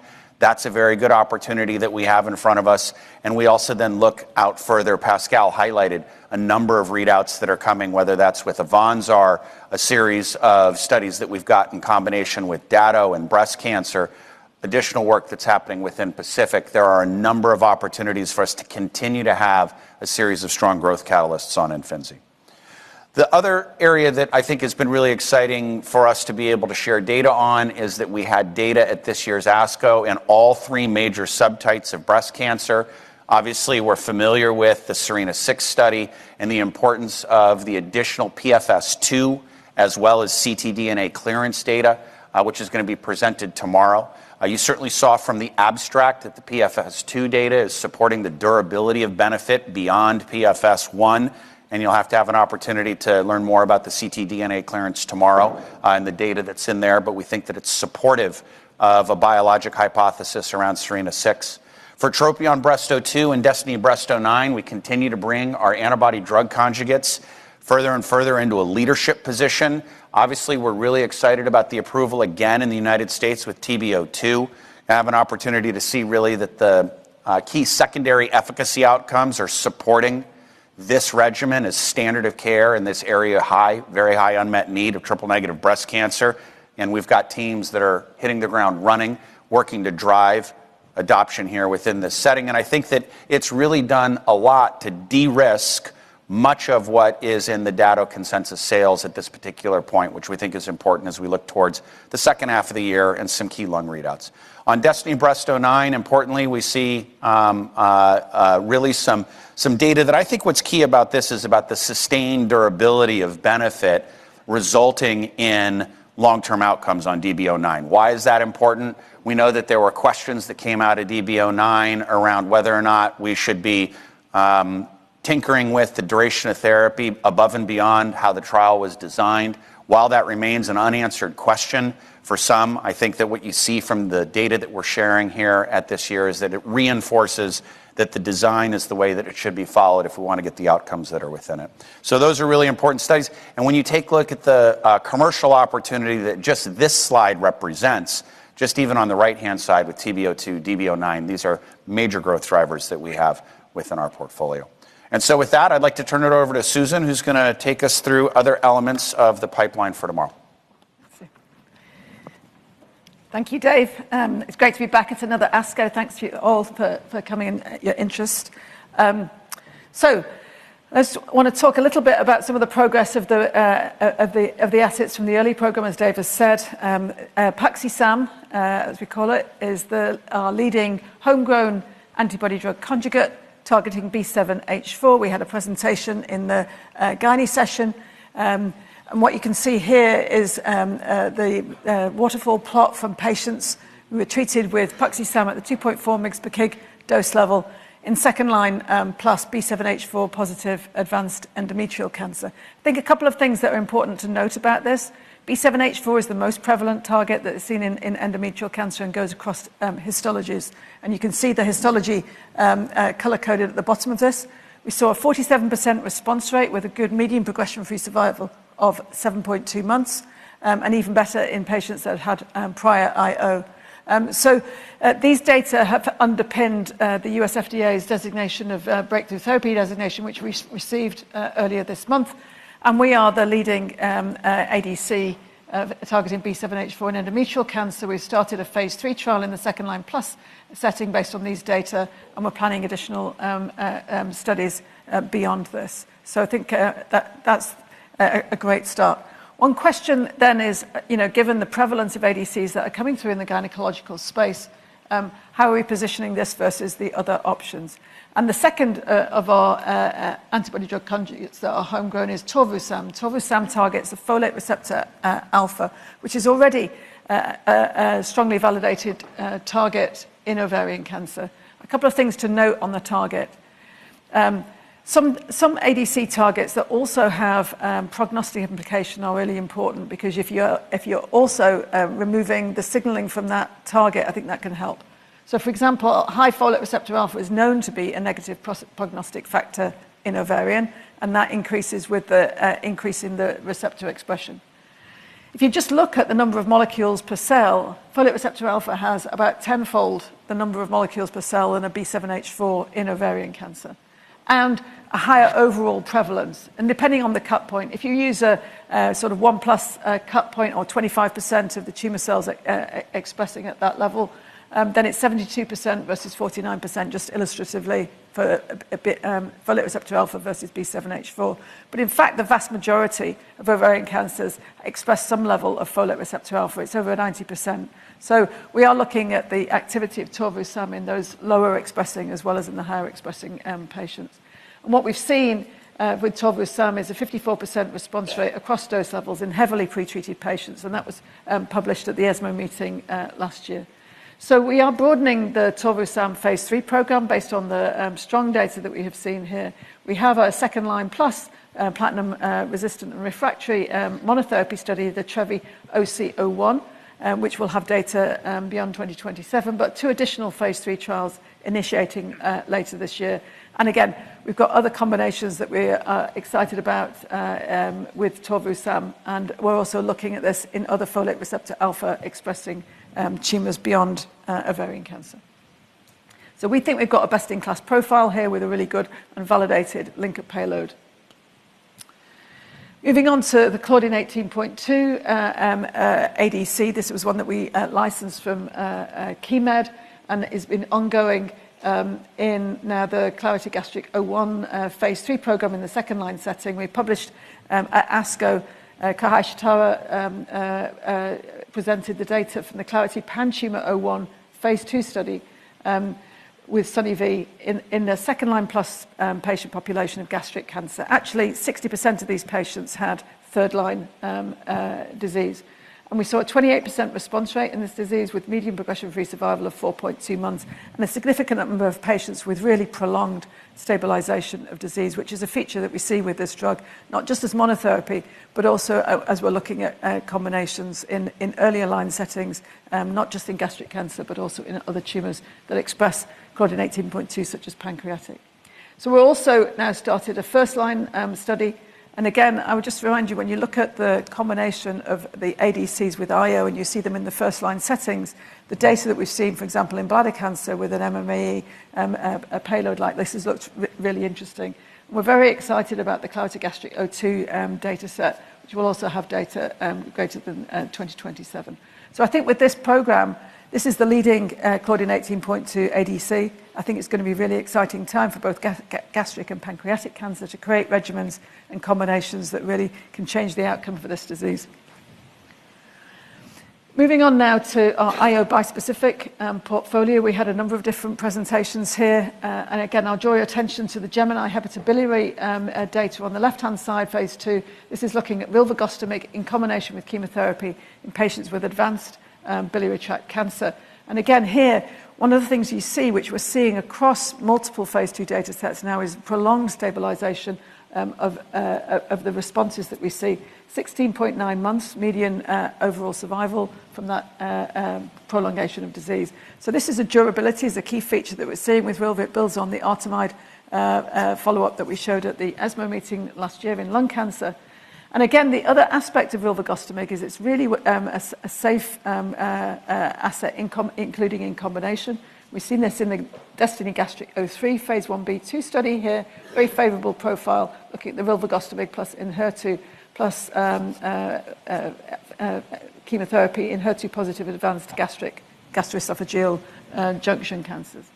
We also then look out further. Pascal highlighted a number of readouts that are coming, whether that's with AVANZAR, a series of studies that we've got in combination with Dato and breast cancer, additional work that's happening within PACIFIC. There are a number of opportunities for us to continue to have a series of strong growth catalysts on IMFINZI. The other area that I think has been really exciting for us to be able to share data on is that we had data at this year's ASCO in all three major subtypes of breast cancer. Obviously, we're familiar with the SERENA-6 study and the importance of the additional PFS2, as well as ctDNA clearance data, which is going to be presented tomorrow. You certainly saw from the abstract that the PFS2 data is supporting the durability of benefit beyond PFS1. You'll have to have an opportunity to learn more about the ctDNA clearance tomorrow, and the data that's in there. We think that it's supportive of a biologic hypothesis around SERENA-6. TROPION-Breast02 and DESTINY-Breast09, we continue to bring our antibody-drug conjugates further and further into a leadership position. We're really excited about the approval again in the U.S. with TROPION-Breast02. We have an opportunity to see really that the key secondary efficacy outcomes are supporting this regimen as standard of care in this area, very high unmet need of triple-negative breast cancer. We've got teams that are hitting the ground running, working to drive adoption here within this setting. I think that it's really done a lot to de-risk much of what is in the data consensus sales at this particular point, which we think is important as we look towards the second half of the year and some key lung readouts. On DESTINY-Breast09, importantly, we see really some data that I think what's key about this is about the sustained durability of benefit resulting in long-term outcomes on DESTINY-Breast09. Why is that important? We know that there were questions that came out of DESTINY-Breast09 around whether or not we should be tinkering with the duration of therapy above and beyond how the trial was designed. While that remains an unanswered question for some, I think that what you see from the data that we're sharing here at this year is that it reinforces that the design is the way that it should be followed if we want to get the outcomes that are within it. Those are really important studies. When you take a look at the commercial opportunity that just this slide represents, just even on the right-hand side with TROPION-Breast02, DESTINY-Breast09, these are major growth drivers that we have within our portfolio. With that, I'd like to turn it over to Susan, who's going to take us through other elements of the pipeline for tomorrow. Thank you, Dave. It's great to be back at another ASCO. Thanks to you all for coming and your interest. I just want to talk a little bit about some of the progress of the assets from the early program, as Dave has said. Puxi-sam, as we call it, is our leading homegrown antibody-drug conjugate targeting B7-H4. We had a presentation in the gyne session. What you can see here is the waterfall plot from patients who were treated with puxi-sam at the 2.4 mg per kg dose level in second-line plus B7-H4+ advanced endometrial cancer. I think a couple of things that are important to note about this. B7-H4 is the most prevalent target that is seen in endometrial cancer and goes across histologies. You can see the histology color-coded at the bottom of this. We saw a 47% response rate with a good median progression-free survival of 7.2 months, and even better in patients that have had prior IO. These data have underpinned the U.S. FDA's designation of breakthrough therapy designation, which we received earlier this month. We are the leading ADC targeting B7-H4 in endometrial cancer. We've started a phase III trial in the second-line plus setting based on these data, and we're planning additional studies beyond this. I think that's a great start. One question then is, given the prevalence of ADCs that are coming through in the gynecological space, how are we positioning this versus the other options? The second of our antibody drug conjugates that are homegrown is torvu-sam. Torvu-sam targets the folate receptor alpha, which is already a strongly validated target in ovarian cancer. A couple of things to note on the target. Some ADC targets that also have prognostic implication are really important because if you're also removing the signaling from that target, I think that can help. For example, high folate receptor alpha is known to be a negative prognostic factor in ovarian, and that increases with the increase in the receptor expression. If you just look at the number of molecules per cell, folate receptor alpha has about tenfold the number of molecules per cell in a B7-H4 in ovarian cancer, and a higher overall prevalence. Depending on the cut point, if you use a sort of one plus cut point or 25% of the tumor cells expressing at that level, it's 72% versus 49%, just illustratively for folate receptor alpha versus B7-H4. In fact, the vast majority of ovarian cancers express some level of folate receptor alpha. It's over 90%. We are looking at the activity of torvu-sam in those lower expressing as well as in the higher expressing patients. What we've seen with tovosutumab is a 54% response rate across dose levels in heavily pretreated patients, and that was published at the ESMO meeting last year. We are broadening the torvu-sam phase III program based on the strong data that we have seen here. We have a second line plus platinum-resistant and refractory monotherapy study, the TREVI-OC-01, which will have data beyond 2027, but two additional phase III trials initiating later this year. Again, we've got other combinations that we're excited about with torvu-sam, and we're also looking at this in other folate receptor alpha expressing tumors beyond ovarian cancer. We think we've got a best-in-class profile here with a really good and validated linker payload. Moving on to the Claudin18.2 ADC. This was one that we licensed from KeyMed and that has been ongoing in now the CLARITY-Gastric01 phase III program in the second line setting. We published at ASCO. Kohei Shitara presented the data from the CLARITY-PanTumor01 phase II study with sone-ve in the second line plus patient population of gastric cancer. Actually, 60% of these patients had third-line disease. We saw a 28% response rate in this disease with median progression-free survival of 4.2 months and a significant number of patients with really prolonged stabilization of disease, which is a feature that we see with this drug, not just as monotherapy, but also as we're looking at combinations in earlier line settings, not just in gastric cancer, but also in other tumors that express Claudin18.2, such as pancreatic. We also now started a first-line study. I would just remind you, when you look at the combination of the ADCs with IO and you see them in the first line settings, the data that we've seen, for example, in bladder cancer with an MMA payload like this has looked really interesting. We are very excited about the CLARITY-Gastric02 data set, which will also have data greater than 2027. I think with this program, this is the leading Claudin18.2 ADC. I think it is going to be a really exciting time for both gastric and pancreatic cancer to create regimens and combinations that really can change the outcome for this disease. Moving on now to our IO bispecific portfolio. We had a number of different presentations here. Again, I will draw your attention to the GEMINI-Hepatobiliary data on the left-hand side, phase II. This is looking at rilvegostomig in combination with chemotherapy in patients with advanced biliary tract cancer. Again, here, one of the things you see, which we're seeing across multiple phase II data sets now is prolonged stabilization of the responses that we see. 16.9 months median overall survival from that prolongation of disease. This is a durability, is a key feature that we're seeing with rilva. It builds on the ARTEMIDE follow-up that we showed at the ESMO meeting last year in lung cancer. Again, the other aspect of rilvegostomig is it's really a safe asset including in combination. We've seen this in the DESTINY-Gastric03, phase I-B/II study here. Very favorable profile looking at the rilvegostomig plus ENHERTU plus chemotherapy ENHERTU + in advanced gastroesophageal junction cancers.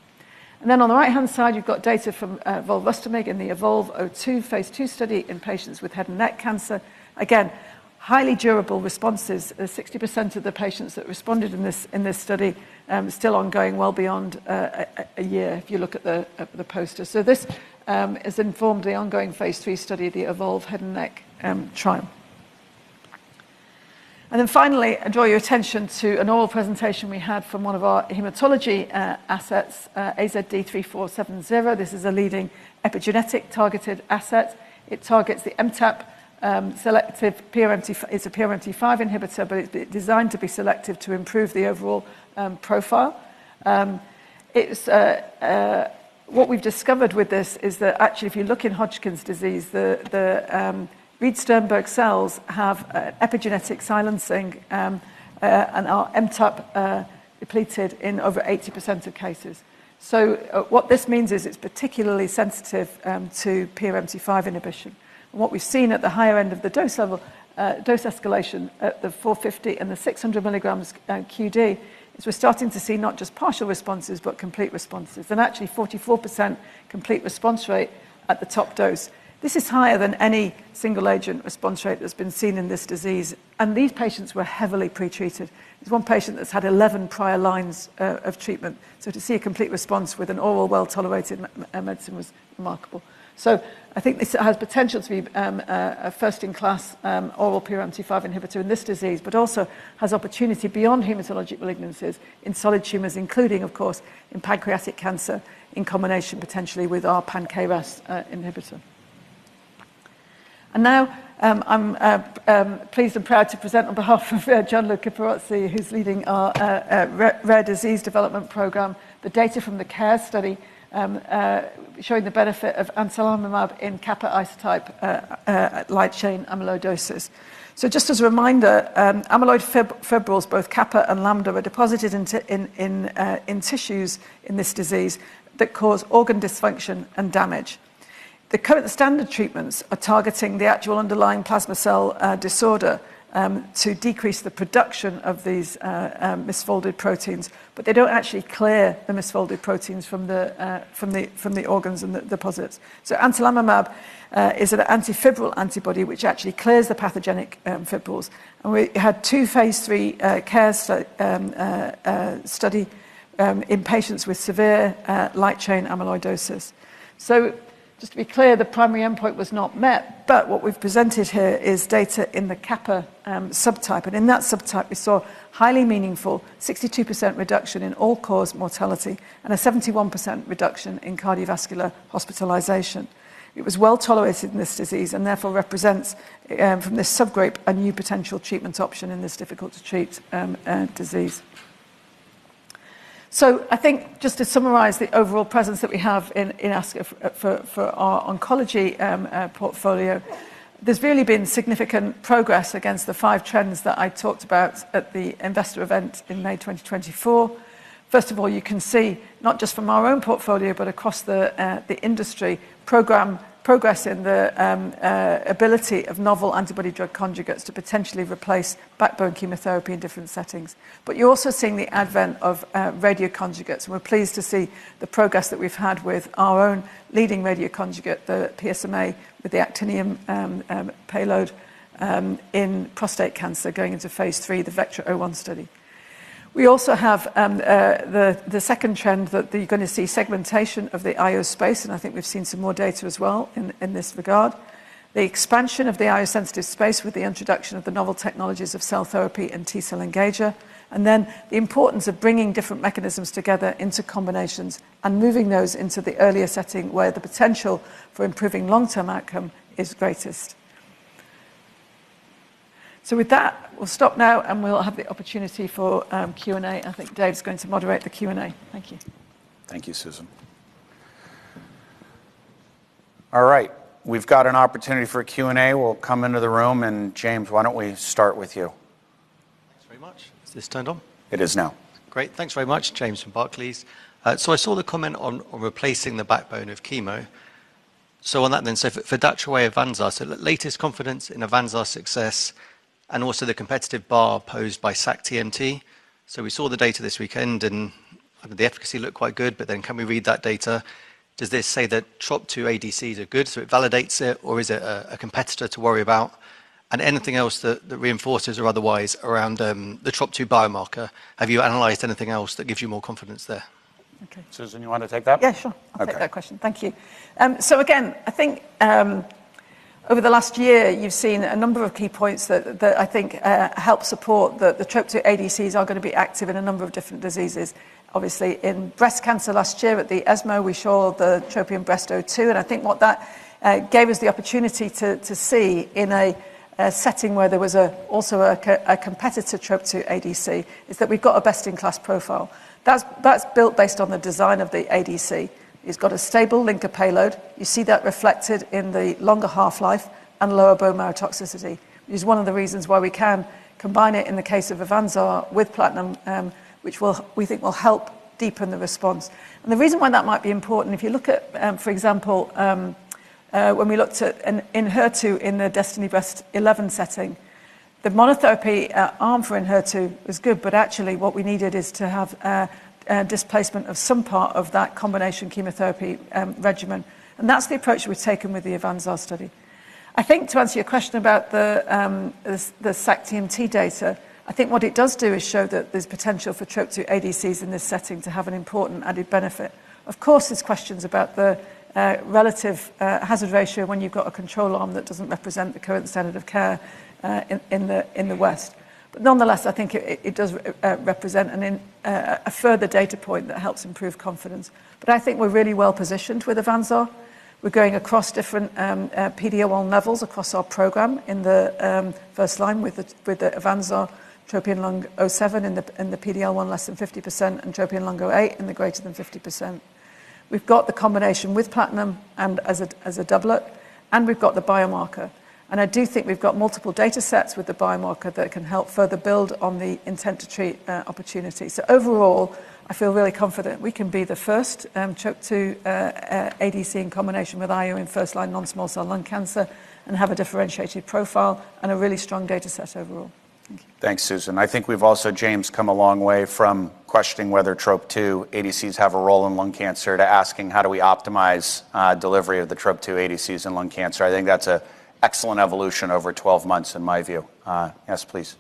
On the right-hand side, you've got data from rilvegostomig in the eVOLVE-02 phase II study in patients with head and neck cancer. Again, highly durable responses. 60% of the patients that responded in this study still ongoing well beyond a year, if you look at the poster. This has informed the ongoing phase III study, the eVOLVE Head and Neck Trial. Finally, I draw your attention to an oral presentation we had from one of our hematology assets, AZD3470. This is a leading epigenetic targeted asset. It targets the MTAP selective. It's a PRMT5 inhibitor, but it's designed to be selective to improve the overall profile. What we've discovered with this is that actually if you look in Hodgkin's disease, the Reed-Sternberg cells have epigenetic silencing and are MTAP depleted in over 80% of cases. What this means is it's particularly sensitive to PRMT5 inhibition. What we've seen at the higher end of the dose escalation at the 450 and the 600 mg QD is we're starting to see not just partial responses, but complete responses, and actually 44% complete response rate at the top dose. This is higher than any single agent response rate that's been seen in this disease, and these patients were heavily pretreated. There's one patient that's had 11 prior lines of treatment. To see a complete response with an oral well-tolerated medicine was remarkable. I think this has potential to be a first-in-class oral PRMT5 inhibitor in this disease, but also has opportunity beyond hematologic malignancies in solid tumors, including, of course, in pancreatic cancer, in combination potentially with our pan-KRAS inhibitor. Now, I'm pleased and proud to present on behalf of Gianluca Pirozzi, who's leading our Rare Disease Development program, the data from the CARES study showing the benefit of anselamimab in kappa isotype light chain amyloidosis. Just as a reminder, amyloid fibrils, both kappa and lambda, are deposited in tissues in this disease that cause organ dysfunction and damage. The current standard treatments are targeting the actual underlying plasma cell disorder to decrease the production of these misfolded proteins, but they don't actually clear the misfolded proteins from the organs and the deposits. Anselamimab is an anti-fibril antibody, which actually clears the pathogenic fibrils. We had two phase III CARES study in patients with severe light chain amyloidosis. Just to be clear, the primary endpoint was not met, but what we've presented here is data in the kappa subtype. In that subtype, we saw highly meaningful 62% reduction in all-cause mortality and a 71% reduction in cardiovascular hospitalization. It was well-tolerated in this disease, and therefore represents, from this subgroup, a new potential treatment option in this difficult-to-treat disease. I think just to summarize the overall presence that we have in AstraZeneca for our oncology portfolio, there's really been significant progress against the five trends that I talked about at the investor event in May 2024. First of all, you can see not just from our own portfolio, but across the industry progress in the ability of novel antibody drug conjugates to potentially replace backbone chemotherapy in different settings. You're also seeing the advent of Radioconjugates, and we're pleased to see the progress that we've had with our own leading Radioconjugate, the PSMA, with the actinium payload in prostate cancer going into phase III, the VECTRA-01 study. We also have the second trend that you're going to see segmentation of the IO space, and I think we've seen some more data as well in this regard. The expansion of the IO sensitive space with the introduction of the novel technologies of cell therapy and T-cell engager, and then the importance of bringing different mechanisms together into combinations and moving those into the earlier setting where the potential for improving long-term outcome is greatest. With that, we'll stop now and we'll have the opportunity for Q&A. I think Dave's going to moderate the Q&A. Thank you. Thank you, Susan. All right. We've got an opportunity for a Q&A. We'll come into the room. James, why don't we start with you? Thanks very much. Is this turned on? It is now. Great. Thanks very much. James from Barclays. I saw the comment on replacing the backbone of chemo. On that then, for Datroway AVANZAR, the latest confidence in AVANZAR's success and also the competitive bar posed by sac-TMT. We saw the data this weekend, and the efficacy looked quite good, but then can we read that data? Does this say that TROP2 ADCs are good, so it validates it, or is it a competitor to worry about? Anything else that reinforces or otherwise around the TROP2 biomarker. Have you analyzed anything else that gives you more confidence there? Okay. Susan, you want to take that? Yeah, sure. Okay. I'll take that question. Thank you. Again, I think over the last year, you've seen a number of key points that I think help support that the TROP2 ADCs are going to be active in a number of different diseases. Obviously, in breast cancer last year at the ESMO, we saw the TROPION-Breast02, and I think what that gave us the opportunity to see in a setting where there was also a competitor TROP2 ADC is that we've got a best-in-class profile. That's built based on the design of the ADC. It's got a stable linker payload. You see that reflected in the longer half-life and lower bone marrow toxicity, which is one of the reasons why we can combine it in the case of AVANZAR with platinum, which we think will help deepen the response. The reason why that might be important, if you look at, for example, when we looked in HER2 in the DESTINY-Breast11 setting, the monotherapy arm for ENHERTU was good, but actually what we needed is to have displacement of some part of that combination chemotherapy regimen. That's the approach that we've taken with the Avanza study. I think to answer your question about the sac-TMT data, I think what it does do is show that there's potential for TROP2 ADCs in this setting to have an important added benefit. Of course, there's questions about the relative hazard ratio when you've got a control arm that doesn't represent the current standard of care in the West. Nonetheless, I think it does represent a further data point that helps improve confidence. I think we're really well-positioned with AVANZAR. We're going across different PD-L1 levels across our program in the first line with the AVANZAR TROPION-Lung07 in the PD-L1 less than 50% and TROPION-Lung08 in the greater than 50%. We've got the combination with platinum and as a doublet. We've got the biomarker. I do think we've got multiple data sets with the biomarker that can help further build on the intent to treat opportunity. Overall, I feel really confident we can be the first TROP2 ADC in combination with IO in first-line non-small cell lung cancer and have a differentiated profile and a really strong data set overall. Thank you. Thanks, Susan. I think we've also, James, come a long way from questioning whether TROP2 ADCs have a role in lung cancer to asking how do we optimize delivery of the TROP2 ADCs in lung cancer. I think that's an excellent evolution over 12 months in my view. Yes, please.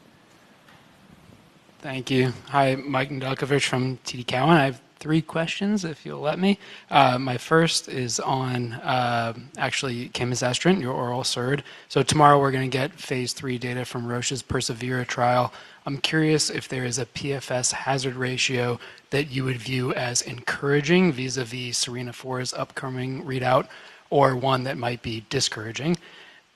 Thank you. Hi, Mike Nedelcovych from TD Cowen. I have three questions, if you'll let me. My first is on actually camizestrant, your oral SERD. Tomorrow we're going to get phase III data from Roche's persevERA trial. I'm curious if there is a PFS hazard ratio that you would view as encouraging vis-a-vis SERENA-4's upcoming readout or one that might be discouraging.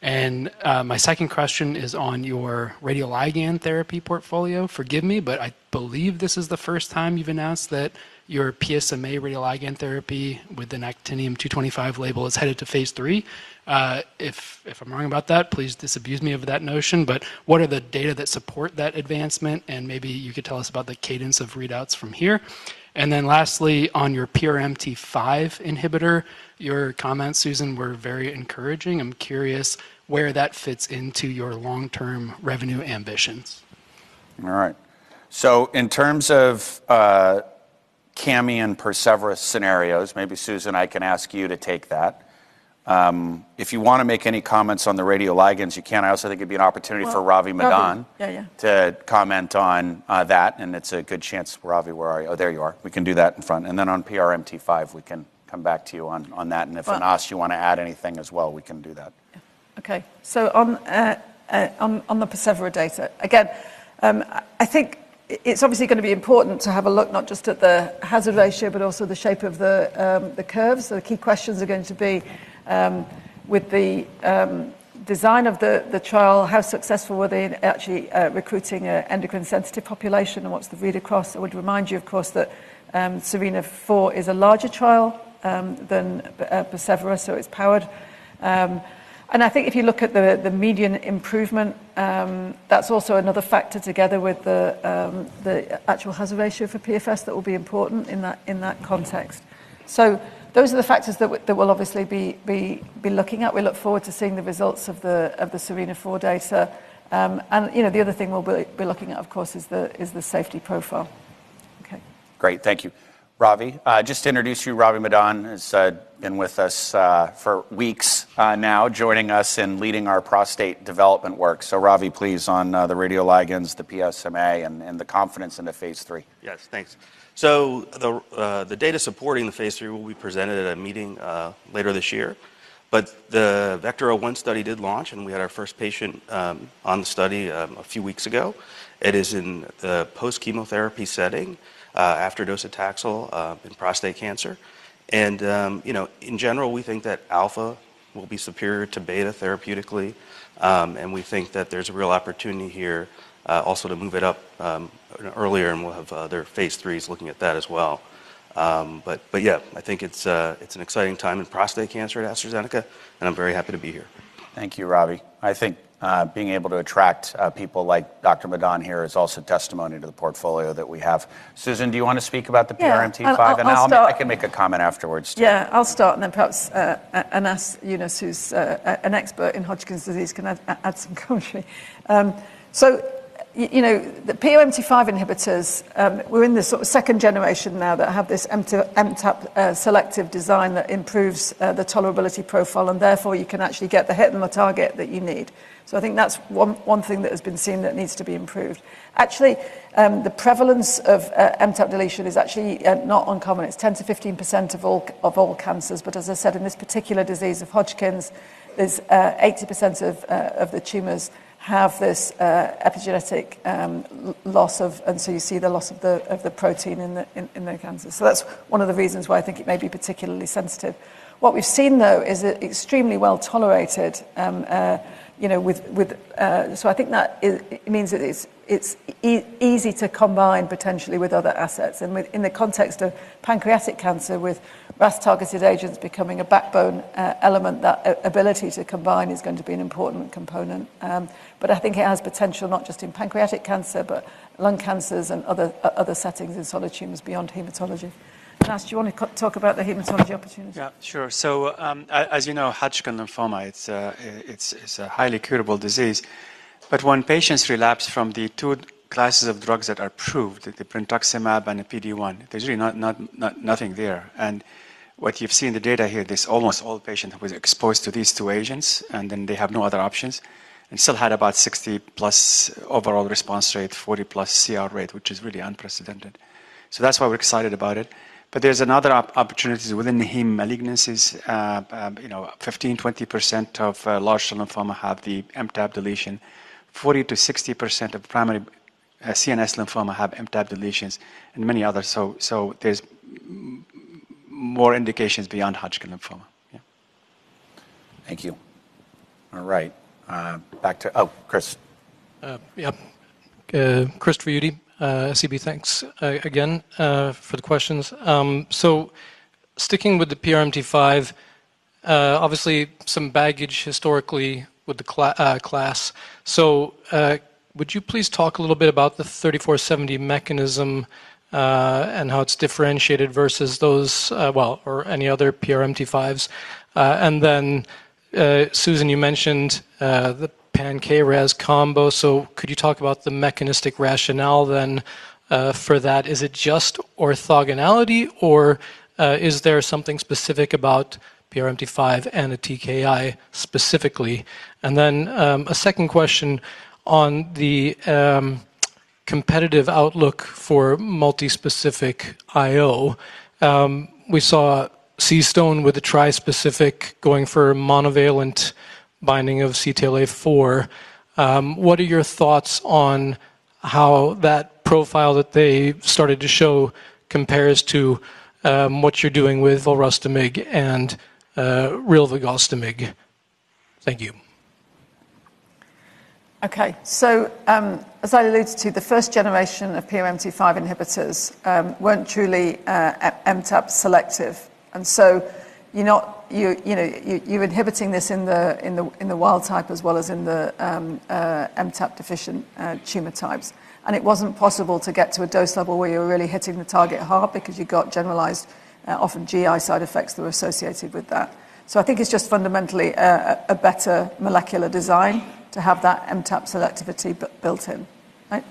My second question is on your radioligand therapy portfolio. Forgive me, I believe this is the first time you've announced that your PSMA radioligand therapy with an actinium-225 label is headed to phase III. If I'm wrong about that, please disabuse me of that notion, what are the data that support that advancement? Maybe you could tell us about the cadence of readouts from here. Lastly, on your PRMT5 inhibitor, your comments, Susan, were very encouraging. I'm curious where that fits into your long-term revenue ambitions? All right. In terms of cami and persevERA scenarios, maybe Susan, I can ask you to take that. If you want to make any comments on the radioligands, you can. I also think it'd be an opportunity for Ravi Madan - Well, Ravi. Yeah - to comment on that. It's a good chance, Ravi, where are you? Oh, there you are. We can do that in front. Then on PRMT5, we can come back to you on that. Fine. If, Anas, you want to add anything as well, we can do that. On the persevERA data, again, I think it's obviously going to be important to have a look not just at the hazard ratio but also the shape of the curves. The key questions are going to be, with the design of the trial, how successful were they in actually recruiting an endocrine-sensitive population and what's the read across? I would remind you, of course, that SERENA-4 is a larger trial than persevERA, so it's powered. I think if you look at the median improvement, that's also another factor together with the actual hazard ratio for PFS that will be important in that context. Those are the factors that we'll obviously be looking at. We look forward to seeing the results of the SERENA-4 data. The other thing we'll be looking at, of course, is the safety profile. Okay. Great. Thank you. Ravi, just to introduce you, Ravi Madan has been with us for weeks now, joining us in leading our prostate development work. Ravi, please, on the radioligands, the PSMA, and the confidence in the phase III. Yes. Thanks. The data supporting the phase III will be presented at a meeting later this year, but the VECTRA-01 study did launch, and we had our first patient on the study a few weeks ago. It is in the post-chemotherapy setting after docetaxel in prostate cancer. In general, we think that alpha will be superior to beta therapeutically, and we think that there's a real opportunity here also to move it up earlier, and we'll have other phase IIIs looking at that as well. Yeah. I think it's an exciting time in prostate cancer at AstraZeneca, and I'm very happy to be here. Thank you, Ravi. I think being able to attract people like Dr. Madan here is also testimony to the portfolio that we have. Susan, do you want to speak about the PRMT5? Yeah. I'll start. I can make a comment afterwards too. I'll start, and then perhaps Anas Younes, who's an expert in Hodgkin's disease, can add some commentary. The PRMT5 inhibitors, we're in the sort of second generation now that have this MTAP-selective design that improves the tolerability profile, therefore, you can actually get the hit and the target that you need. I think that's one thing that has been seen that needs to be improved. Actually, the prevalence of MTAP deletion is actually not uncommon. It's 10%-15% of all cancers, as I said, in this particular disease of Hodgkin's, it's 80% of the tumors have this epigenetic loss of And so you see the loss of the protein in their cancers. That's one of the reasons why I think it may be particularly sensitive. What we've seen, though, is it extremely well-tolerated. I think that it means it's easy to combine potentially with other assets. Within the context of pancreatic cancer, with RAS-targeted agents becoming a backbone element, that ability to combine is going to be an important component. I think it has potential not just in pancreatic cancer, but lung cancers and other settings in solid tumors beyond hematology. Anas, do you want to talk about the hematology opportunity? Yeah. Sure. As you know, Hodgkin lymphoma, it's a highly curable disease. When patients relapse from the two classes of drugs that are approved, the brentuximab and the PD-1, there's really nothing there. What you've seen in the data here, almost all patients was exposed to these two agents, and then they have no other options, and still had about 60-plus overall response rate, 40-plus CR rate, which is really unprecedented. That's why we're excited about it. There's another opportunity within the heme malignancies. 15%, 20% of large cell lymphoma have the MTAP deletion, 40%-60% of primary CNS lymphoma have MTAP deletions, and many others. There's more indications beyond Hodgkin lymphoma. Yeah. Thank you. All right. Back to Oh, Chris. Yep. Chris Uhde, SEB. Thanks again for the questions. Sticking with the PRMT5, obviously some baggage historically with the class. Would you please talk a little bit about the 3470 mechanism, and how it's differentiated versus those, well, or any other PRMT5s? Susan, you mentioned the pan-KRAS combo, could you talk about the mechanistic rationale then for that, is it just orthogonality or is there something specific about PRMT5 and a TKI specifically? A second question on the competitive outlook for multispecific IO. We saw CStone with a tri-specific going for monovalent binding of CTLA-4. What are your thoughts on how that profile that they've started to show compares to what you're doing with volrustomig and rilvegostomig? Thank you. Okay. As I alluded to, the first generation of PRMT5 inhibitors weren't truly MTAP selective, you're inhibiting this in the wild type as well as in the MTAP-deficient tumor types. It wasn't possible to get to a dose level where you were really hitting the target hard because you got generalized, often GI side effects that were associated with that. I think it's just fundamentally a better molecular design to have that MTAP selectivity built in. Right.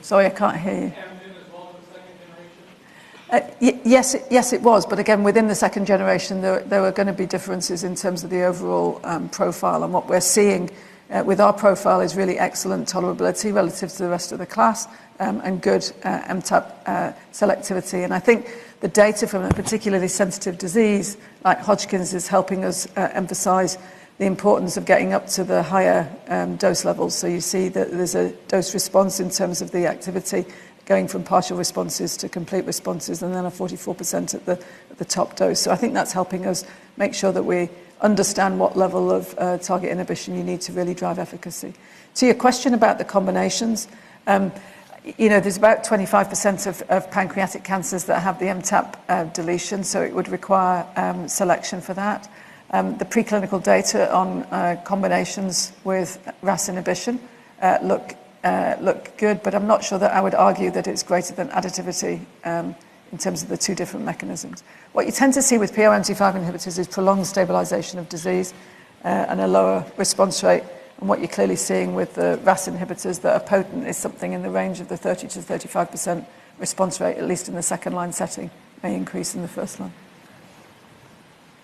Sorry, I can't hear you. MTAP was involved in the second generation? Yes, it was. Again, within the second generation, there were going to be differences in terms of the overall profile. What we're seeing with our profile is really excellent tolerability relative to the rest of the class, and good MTAP selectivity. I think the data from a particularly sensitive disease like Hodgkin's is helping us emphasize the importance of getting up to the higher dose levels. You see that there's a dose response in terms of the activity going from partial responses to complete responses, and then a 44% at the top dose. I think that's helping us make sure that we understand what level of target inhibition you need to really drive efficacy. To your question about the combinations, there's about 25% of pancreatic cancers that have the MTAP deletion, so it would require selection for that. The preclinical data on combinations with RAS inhibition look good, but I'm not sure that I would argue that it's greater than additivity, in terms of the two different mechanisms. What you tend to see with PRMT5 inhibitors is prolonged stabilization of disease, and a lower response rate. What you're clearly seeing with the RAS inhibitors that are potent is something in the range of the 30%-35% response rate, at least in the second-line setting, may increase in the first one.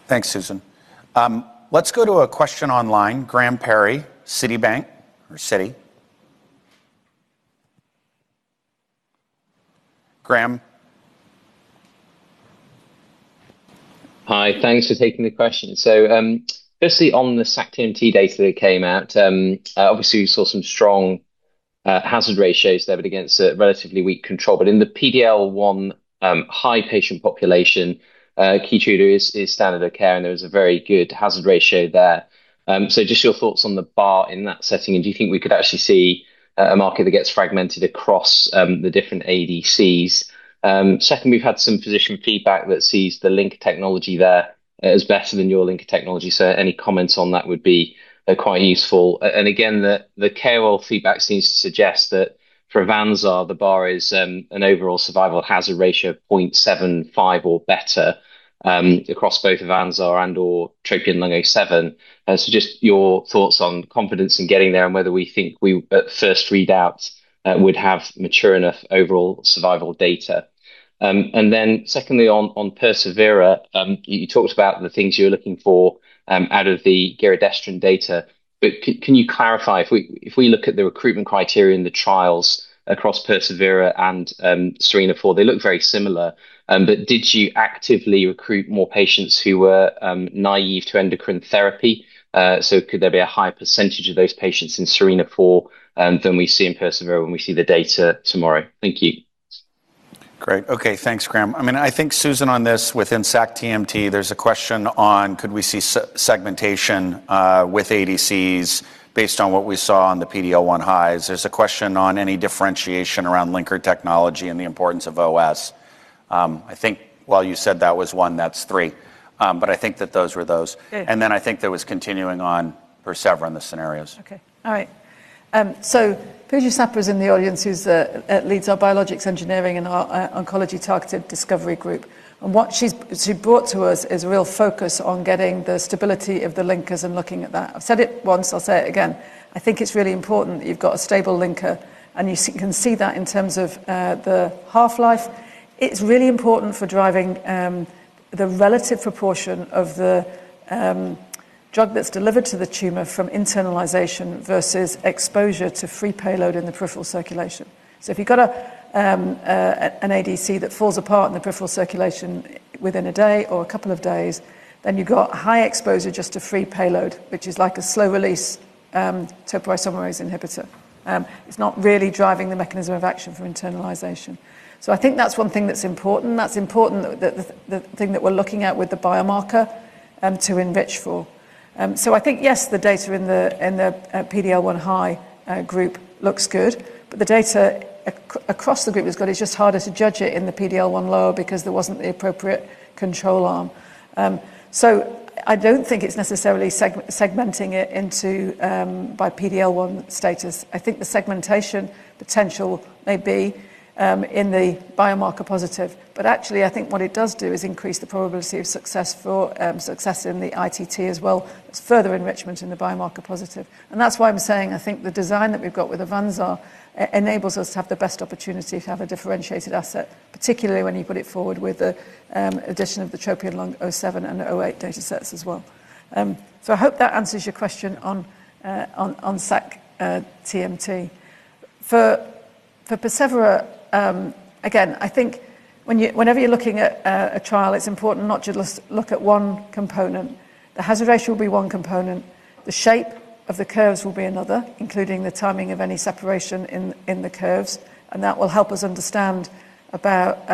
Thanks, Susan. Let's go to a question online, Graham Parry, Citibank or Citi. Graham? Hi. Thanks for taking the question. Firstly, on the sac-TMT data that came out, obviously you saw some strong hazard ratios there, but against a relatively weak control. In the PD-L1 high patient population, KEYTRUDA is standard of care, and there is a very good hazard ratio there. Just your thoughts on the bar in that setting, and do you think we could actually see a market that gets fragmented across the different ADCs? Second, we've had some physician feedback that sees the linker technology there as better than your linker technology, so any comments on that would be quite useful. Again, the KOL feedback seems to suggest that for AVANZAR, the bar is an overall survival hazard ratio of 0.75 or better, across both AVANZAR and TROPION-Lung07. Just your thoughts on confidence in getting there and whether we think we, at first readout, would have mature enough overall survival data. Secondly, on persevERA, you talked about the things you're looking for out of the giredestrant data. Can you clarify, if we look at the recruitment criteria in the trials across persevERA and SERENA-4, they look very similar. Did you actively recruit more patients who were naive to endocrine therapy? Could there be a higher percentage of those patients in SERENA-4 than we see in persevERA when we see the data tomorrow? Thank you. Great. Okay, thanks, Graham. I think, Susan, on this within sac-TMT, there's a question on could we see segmentation with ADCs based on what we saw on the PD-L1 highs? There's a question on any differentiation around linker technology and the importance of OS. I think while you said that was one, that's three. I think that those were those. Good. I think there was continuing on persevERA and the scenarios. Okay. All right. Puja Sapra is in the audience who leads our Biologics Engineering and our Oncology Targeted Delivery group. What she brought to us is real focus on getting the stability of the linkers and looking at that. I've said it once, I'll say it again. I think it's really important that you've got a stable linker, and you can see that in terms of the half-life. It's really important for driving the relative proportion of the drug that's delivered to the tumor from internalization versus exposure to free payload in the peripheral circulation. If you've got an ADC that falls apart in the peripheral circulation within a day or a couple of days, then you've got high exposure just to free payload, which is like a slow-release topoisomerase inhibitor. It's not really driving the mechanism of action for internalization. I think that's one thing that's important. That's important that the thing that we're looking at with the biomarker to enrich for. I think, yes, the data in the PD-L1 high group looks good, but the data across the group is good. It's just harder to judge it in the PD-L1 low because there wasn't the appropriate control arm. I don't think it's necessarily segmenting it by PD-L1 status. I think the segmentation potential may be in the biomarker positive, but actually I think what it does do is increase the probability of success in the ITT as well. It's further enrichment in the biomarker positive. That's why I'm saying I think the design that we've got with AVANZAR enables us to have the best opportunity to have a differentiated asset, particularly when you put it forward with the addition of the TROPION-Lung07 and TROPION-Lung08 data sets as well. I hope that answers your question on sac-TMT. For persevERA, again, I think whenever you're looking at a trial, it's important not to just look at one component. The hazard ratio will be one component, the shape of the curves will be another, including the timing of any separation in the curves. That will help us understand about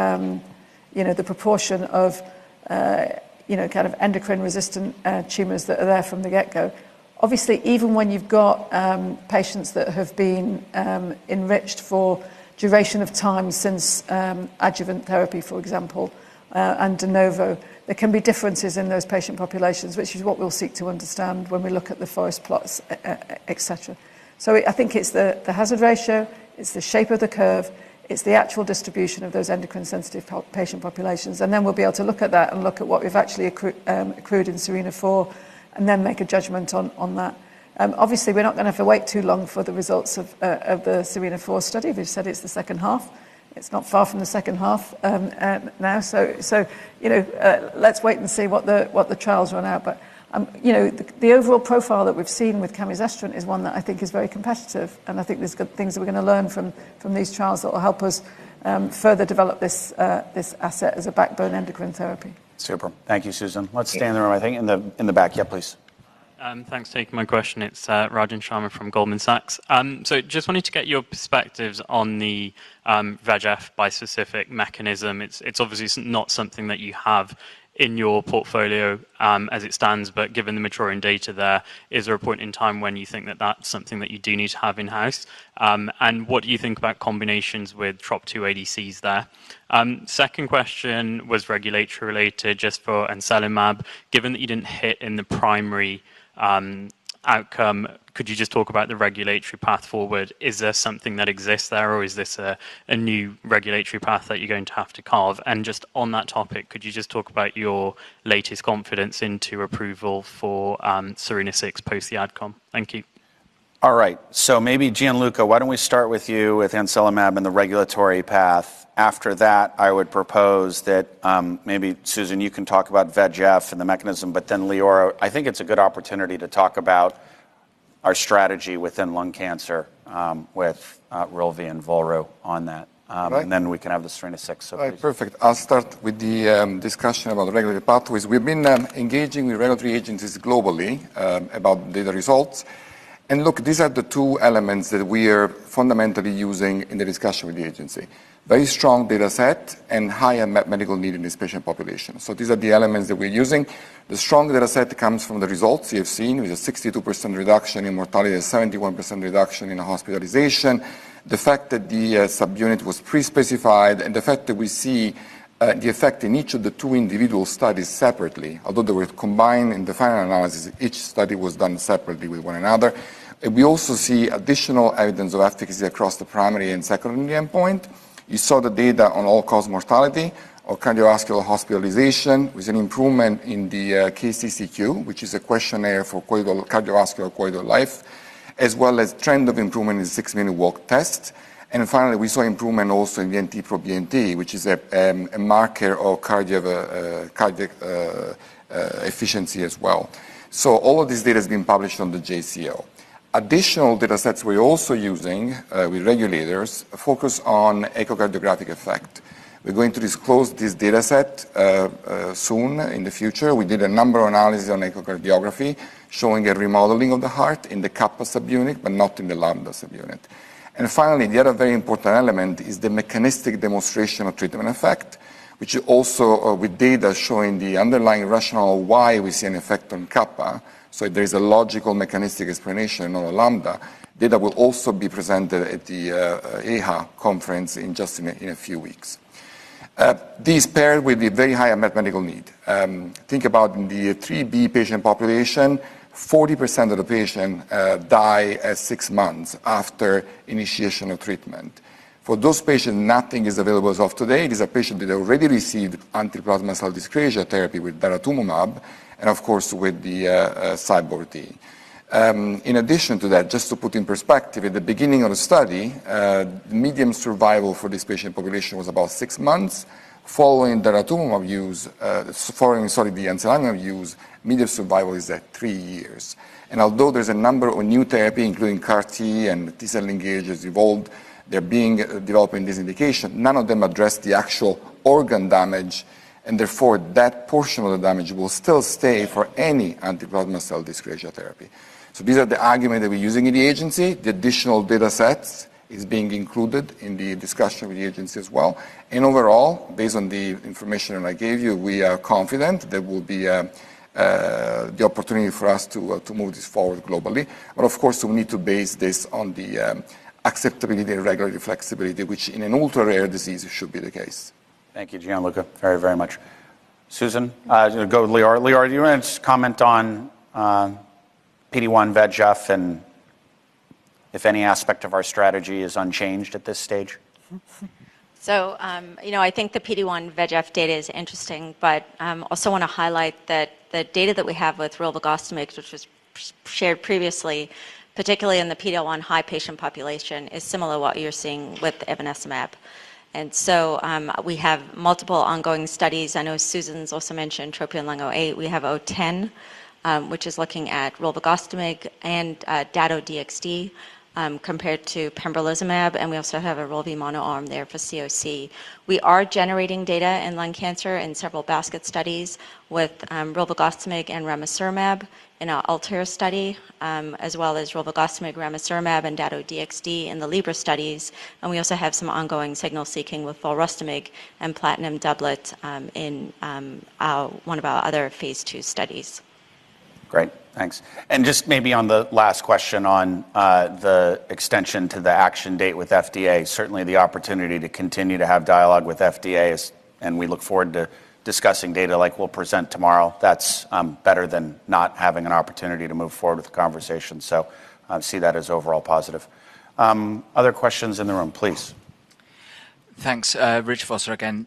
the proportion of endocrine resistant tumors that are there from the get go. Even when you've got patients that have been enriched for duration of time since adjuvant therapy, for example and de novo, there can be differences in those patient populations, which is what we'll seek to understand when we look at the forest plots, et cetera. I think it's the hazard ratio, it's the shape of the curve, it's the actual distribution of those endocrine sensitive patient populations. We'll be able to look at that and look at what we've actually accrued in SERENA-4 and then make a judgment on that. We're not going to have to wait too long for the results of the SERENA-4 study. We've said it's the second half. It's not far from the second half now. Let's wait and see what the trials run out. The overall profile that we've seen with camizestrant is one that I think is very competitive, and I think there's good things that we're going to learn from these trials that will help us further develop this asset as a backbone endocrine therapy. Super. Thank you, Susan. Let's stay in the room, I think in the back. Yeah, please. Thanks for taking my question. It's Rajan Sharma from Goldman Sachs. Just wanted to get your perspectives on the VEGF bispecific mechanism. It's obviously not something that you have in your portfolio as it stands, but given the mature end data there, is there a point in time when you think that that's something that you do need to have in-house? What do you think about combinations with TROP2 ADCs there? Second question was regulatory related just for anselamimab. Given that you didn't hit in the primary outcome, could you just talk about the regulatory path forward? Is there something that exists there, or is this a new regulatory path that you're going to have to carve? Just on that topic, could you just talk about your latest confidence into approval for SERENA-6 post the adcom? Thank you. All right, maybe Gianluca, why don't we start with you with anselamimab and the regulatory path. After that, I would propose that maybe, Susan, you can talk about VEGF and the mechanism, but then Leora, I think it's a good opportunity to talk about our strategy within lung cancer with rilve and volru on that. Right. We can have the SERENA-6, please. All right, perfect. I'll start with the discussion about regulatory pathways. We've been engaging with regulatory agencies globally about data results. Look, these are the two elements that we are fundamentally using in the discussion with the agency. Very strong data set and high unmet medical need in this patient population. These are the elements that we're using. The strong data set comes from the results you have seen with a 62% reduction in mortality, a 71% reduction in hospitalization, the fact that the subunit was pre-specified, and the fact that we see the effect in each of the two individual studies separately. Although they were combined in the final analysis, each study was done separately with one another. We also see additional evidence of efficacy across the primary and secondary endpoint. You saw the data on all-cause mortality or cardiovascular hospitalization with an improvement in the KCCQ, which is a questionnaire for cardiovascular quality of life, as well as trend of improvement in six-minute walk test. Finally, we saw improvement also in NT-proBNP, which is a marker of cardiac efficiency as well. All of this data has been published on the JCO. Additional data sets we're also using with regulators focus on echocardiographic effect. We're going to disclose this data set soon in the future. We did a number of analyses on echocardiography showing a remodeling of the heart in the kappa subunit, but not in the lambda subunit. Finally, the other very important element is the mechanistic demonstration of treatment effect, which also with data showing the underlying rationale why we see an effect on kappa. There is a logical mechanistic explanation on lambda. Data will also be presented at the AHA conference in just a few weeks. Paired with the very high unmet medical need. Think about in the 3B patient population, 40% of the patient die at six months after initiation of treatment. For those patients, nothing is available as of today. Are patients that already received anti-plasma cell dyscrasia therapy with daratumumab and of course with the CyBorD. In addition to that, just to put in perspective, at the beginning of the study, median survival for this patient population was about six months. Following daratumumab use supporting, sorry, anselamimab use, median survival is at three years. Although there's a number of new therapy, including CAR T and T-cell engagers, they're being developed in this indication, none of them address the actual organ damage. Therefore, that portion of the damage will still stay for any anti-plasma cell dyscrasia therapy. These are the argument that we're using in the agency. The additional data sets is being included in the discussion with the agency as well. Overall, based on the information that I gave you, we are confident there will be the opportunity for us to move this forward globally. Of course, we need to base this on the acceptability and regulatory flexibility, which in an ultra-rare disease should be the case. Thank you, Gianluca, very much. Susan, go, Leora. Leora, do you want to just comment on PD-1 VEGF and if any aspect of our strategy is unchanged at this stage? I think the PD-1 VEGF data is interesting, but also want to highlight that the data that we have with rilvegostomig, which was shared previously, particularly in the PD-L1 high patient population, is similar to what you're seeing with ivonescimab. We have multiple ongoing studies. I know Susan's also mentioned TROPION-Lung08. We have VOLGA, which is looking at rilvegostomig and Dato-DXd compared to pembrolizumab, and we also have a rilvemonoarm there for CoC. We are generating data in lung cancer in several basket studies with rilvegostomig and ramucirumab in our ALTAIR study, as well as rilvegostomig, ramucirumab and Dato-DXd in the LIBRA studies. We also have some ongoing signal-seeking with volrustomig and platinum doublet in one of our other phase II studies. Great, thanks. Just maybe on the last question on the extension to the action date with FDA, certainly the opportunity to continue to have dialogue with FDA, and we look forward to discussing data like we'll present tomorrow. That's better than not having an opportunity to move forward with the conversation. I see that as overall positive. Other questions in the room, please. Thanks. Richard Vosser again.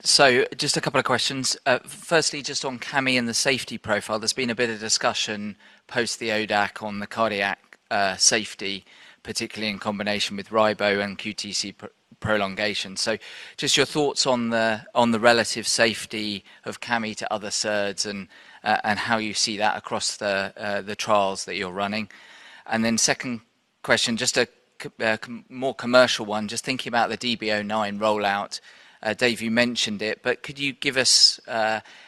Just a couple of questions. Firstly, just on cami and the safety profile. There's been a bit of discussion post the ODAC on the cardiac safety, particularly in combination with ribo and QTc prolongation. Just your thoughts on the relative safety of cami to other SERDs and how you see that across the trials that you're running. Second question, just a more commercial one. Just thinking about the DESTINY-Breast09 rollout. Dave, you mentioned it, but could you give us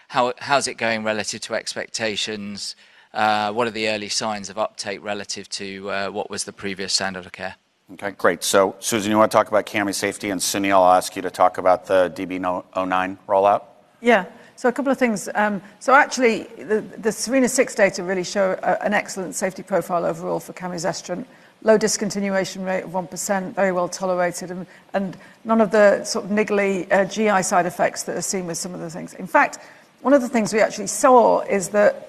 how's it going relative to expectations? What are the early signs of uptake relative to what was the previous standard of care? Okay, great. Susan, you want to talk about cami safety, and Sunil, I'll ask you to talk about the DESTINY-Breast09 rollout. Yeah. A couple of things. Actually, the SERENA-6 data really show an excellent safety profile overall for camizestrant. Low discontinuation rate of 1%, very well tolerated and none of the sort of niggly GI side effects that are seen with some of the things. In fact, one of the things we actually saw is that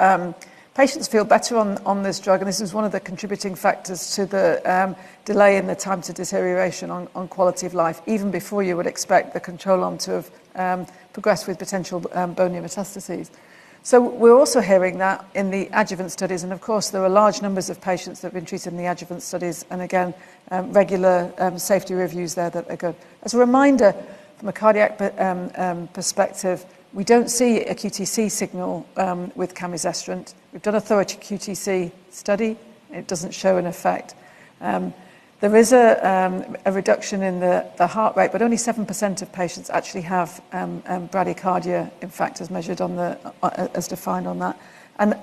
patients feel better on this drug, and this is one of the contributing factors to the delay in the time to deterioration on quality of life, even before you would expect the control arm to have progressed with potential bony metastases. We're also hearing that in the adjuvant studies, and of course, there are large numbers of patients that have been treated in the adjuvant studies. Again, regular safety reviews there that are good. As a reminder, from a cardiac perspective, we don't see a QTc signal with camizestrant. We've done a thorough QTc study. It doesn't show an effect. There is a reduction in the heart rate. Only 7% of patients actually have bradycardia, in fact, as defined on that.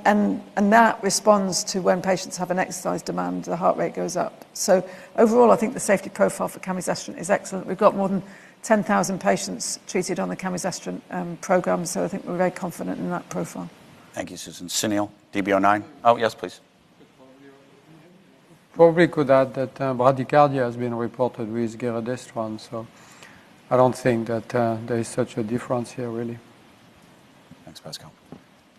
That responds to when patients have an exercise demand, the heart rate goes up. Overall, I think the safety profile for camizestrant is excellent. We've got more than 10,000 patients treated on the camizestrant program. I think we're very confident in that profile. Thank you, Susan. Sunil, DB-09? Oh, yes, please. Probably could add that bradycardia has been reported with rilvegostomig. I don't think that there is such a difference here, really. Thanks, Pascal.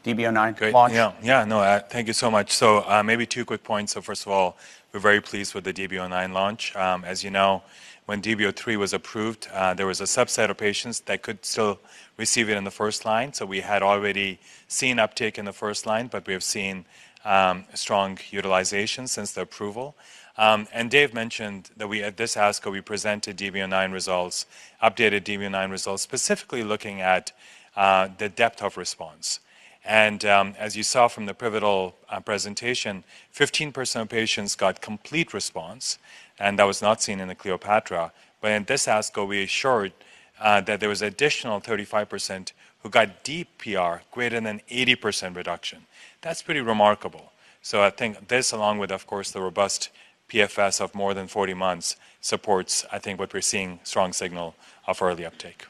DESTINY-Breast09 launch? Great. Yeah. No, thank you so much. Maybe two quick points. First of all, we're very pleased with the DESTINY-Breast09 launch. As you know, when DESTINY-Breast03 was approved, there was a subset of patients that could still receive it in the first line. We had already seen uptake in the first line, but we have seen strong utilization since the approval. Dave mentioned that at this ASCO, we presented DESTINY-Breast09 results, updated DESTINY-Breast09 results, specifically looking at the depth of response. As you saw from the pivotal presentation, 15% of patients got complete response, and that was not seen in the CLEOPATRA. In this ASCO, we assured that there was additional 35% who got deep PR greater than 80% reduction. That's pretty remarkable. I think this, along with, of course, the robust PFS of more than 40 months supports, I think what we're seeing, strong signal of early uptake.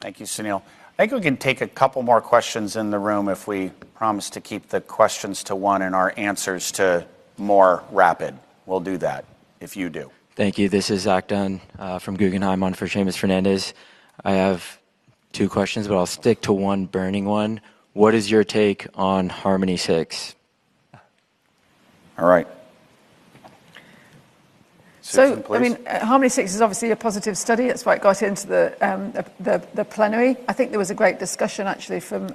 Thank you, Sunil. I think we can take a couple more questions in the room if we promise to keep the questions to one and our answers to more rapid. We'll do that if you do. Thank you. This is Zach Dunn from Guggenheim on for Seamus Fernandez. I have two questions, but I'll stick to one burning one. What is your take on HARMONi-6? All right. Susan, please. HARMONi-6 is obviously a positive study. That's why it got into the plenary. I think there was a great discussion actually from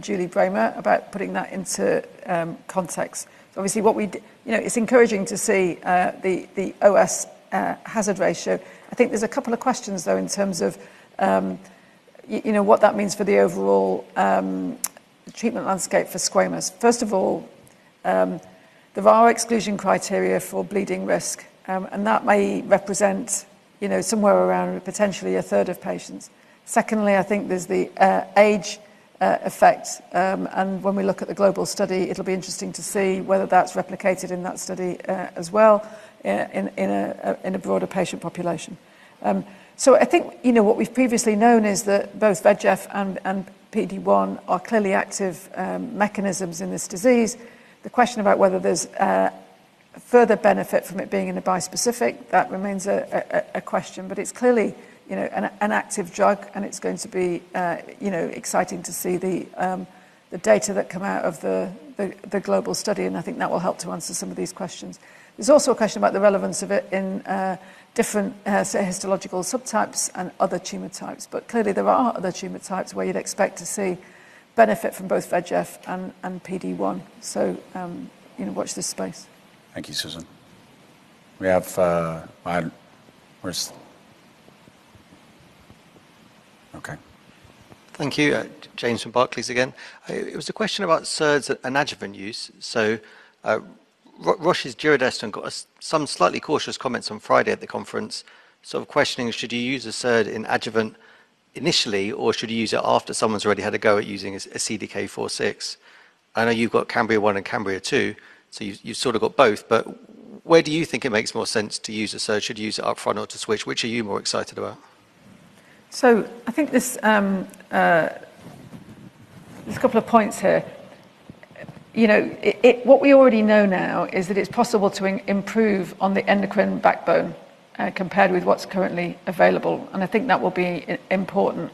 Julie Brahmer about putting that into context. Obviously, it's encouraging to see the OS hazard ratio. I think there's a couple of questions, though, in terms of what that means for the overall treatment landscape for squamous. First of all, there are exclusion criteria for bleeding risk, and that may represent somewhere around potentially a third of patients. Secondly, I think there's the age effect, and when we look at the global study, it'll be interesting to see whether that's replicated in that study as well in a broader patient population. I think what we've previously known is that both VEGF and PD-1 are clearly active mechanisms in this disease. The question about whether there's a further benefit from it being in a bispecific, that remains a question, but it's clearly an active drug and it's going to be exciting to see the data that come out of the global study, and I think that will help to answer some of these questions. There's also a question about the relevance of it in different histological subtypes and other tumor types. Clearly, there are other tumor types where you'd expect to see benefit from both VEGF and PD-1. Watch this space. Thank you, Susan. Okay. Thank you. James from Barclays again. It was a question about SERDs and adjuvant use. Roche's giredestrant got some slightly cautious comments on Friday at the conference, sort of questioning, should you use a SERD in adjuvant initially, or should you use it after someone's already had a go at using a CDK4/6? I know you've got CAMBRIA-1 and CAMBRIA-2, so you sort of got both, but where do you think it makes more sense to use a SERD? Should you use it up front or to switch? Which are you more excited about? I think there's a couple of points here. What we already know now is that it's possible to improve on the endocrine backbone compared with what's currently available. I think that will be important.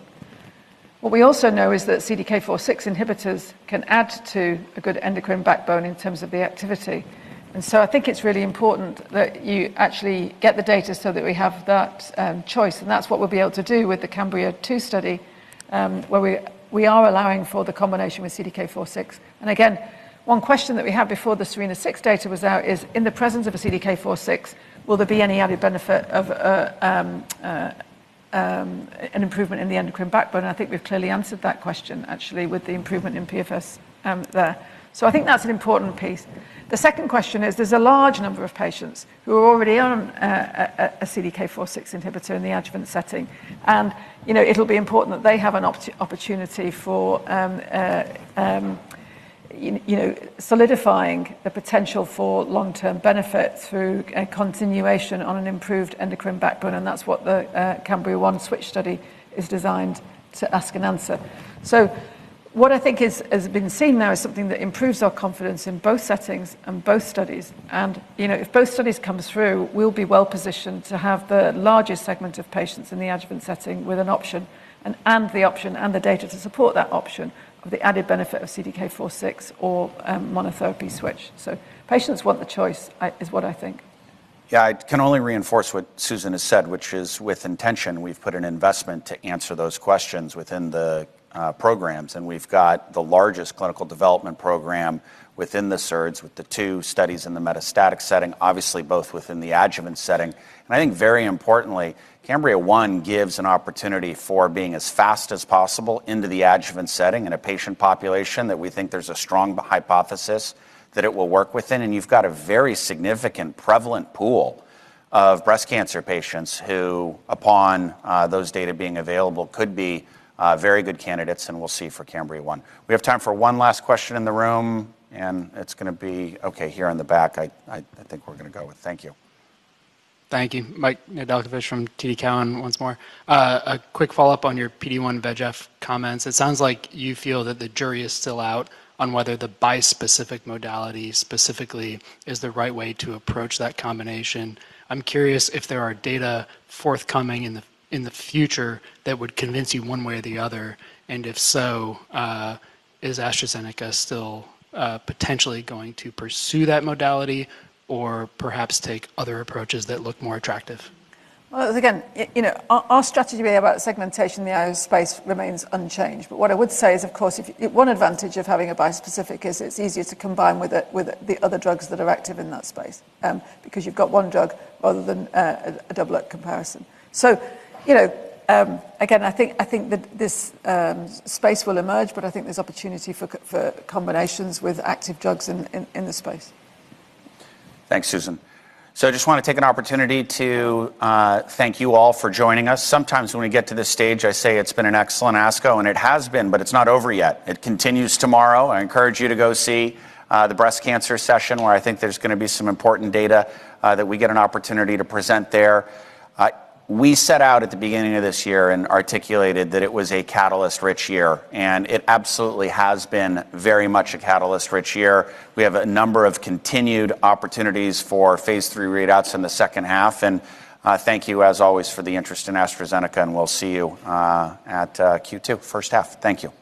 What we also know is that CDK4/6 inhibitors can add to a good endocrine backbone in terms of the activity. I think it's really important that you actually get the data so that we have that choice. That's what we'll be able to do with the CAMBRIA-2 study, where we are allowing for the combination with CDK4/6. Again, one question that we had before the SERENA-6 data was out is, in the presence of a CDK4/6, will there be any added benefit of an improvement in the endocrine backbone? I think we've clearly answered that question, actually, with the improvement in PFS there. I think that's an important piece. The second question is, there's a large number of patients who are already on a CDK4/6 inhibitor in the adjuvant setting. It'll be important that they have an opportunity for solidifying the potential for long-term benefit through a continuation on an improved endocrine backbone, and that's what the CAMBRIA-1 switch study is designed to ask and answer. What I think has been seen there is something that improves our confidence in both settings and both studies. If both studies come through, we'll be well-positioned to have the largest segment of patients in the adjuvant setting with an option, and the option and the data to support that option of the added benefit of CDK4/6 or monotherapy switch. Patients want the choice, is what I think. Yeah, I can only reinforce what Susan has said, which is with intention, we've put an investment to answer those questions within the programs. We've got the largest clinical development program within the SERDs with the two studies in the metastatic setting, obviously both within the adjuvant setting. I think very importantly, CAMBRIA-1 gives an opportunity for being as fast as possible into the adjuvant setting in a patient population that we think there's a strong hypothesis that it will work within. You've got a very significant prevalent pool of breast cancer patients who, upon those data being available, could be very good candidates, and we'll see for CAMBRIA-1. We have time for one last question in the room, and it's going to be, okay, here in the back. I think we're going to go with. Thank you. Thank you. Mike Nedelcovych from TD Cowen once more. A quick follow-up on your PD-1, VEGF comments. It sounds like you feel that the jury is still out on whether the bispecific modality specifically is the right way to approach that combination. I'm curious if there are data forthcoming in the future that would convince you one way or the other, and if so, is AstraZeneca still potentially going to pursue that modality or perhaps take other approaches that look more attractive? Well, again, our strategy about segmentation in the IO space remains unchanged. What I would say is, of course, one advantage of having a bispecific is it's easier to combine with the other drugs that are active in that space because you've got one drug rather than a double comparison. Again, I think this space will emerge, but I think there's opportunity for combinations with active drugs in the space. Thanks, Susan. I just want to take an opportunity to thank you all for joining us. Sometimes when we get to this stage, I say it's been an excellent ASCO, and it has been, but it's not over yet. It continues tomorrow. I encourage you to go see the breast cancer session where I think there's going to be some important data that we get an opportunity to present there. We set out at the beginning of this year and articulated that it was a catalyst-rich year. It absolutely has been very much a catalyst-rich year. We have a number of continued opportunities for phase III readouts in the second half. Thank you, as always, for the interest in AstraZeneca. We'll see you at Q2 first half. Thank you.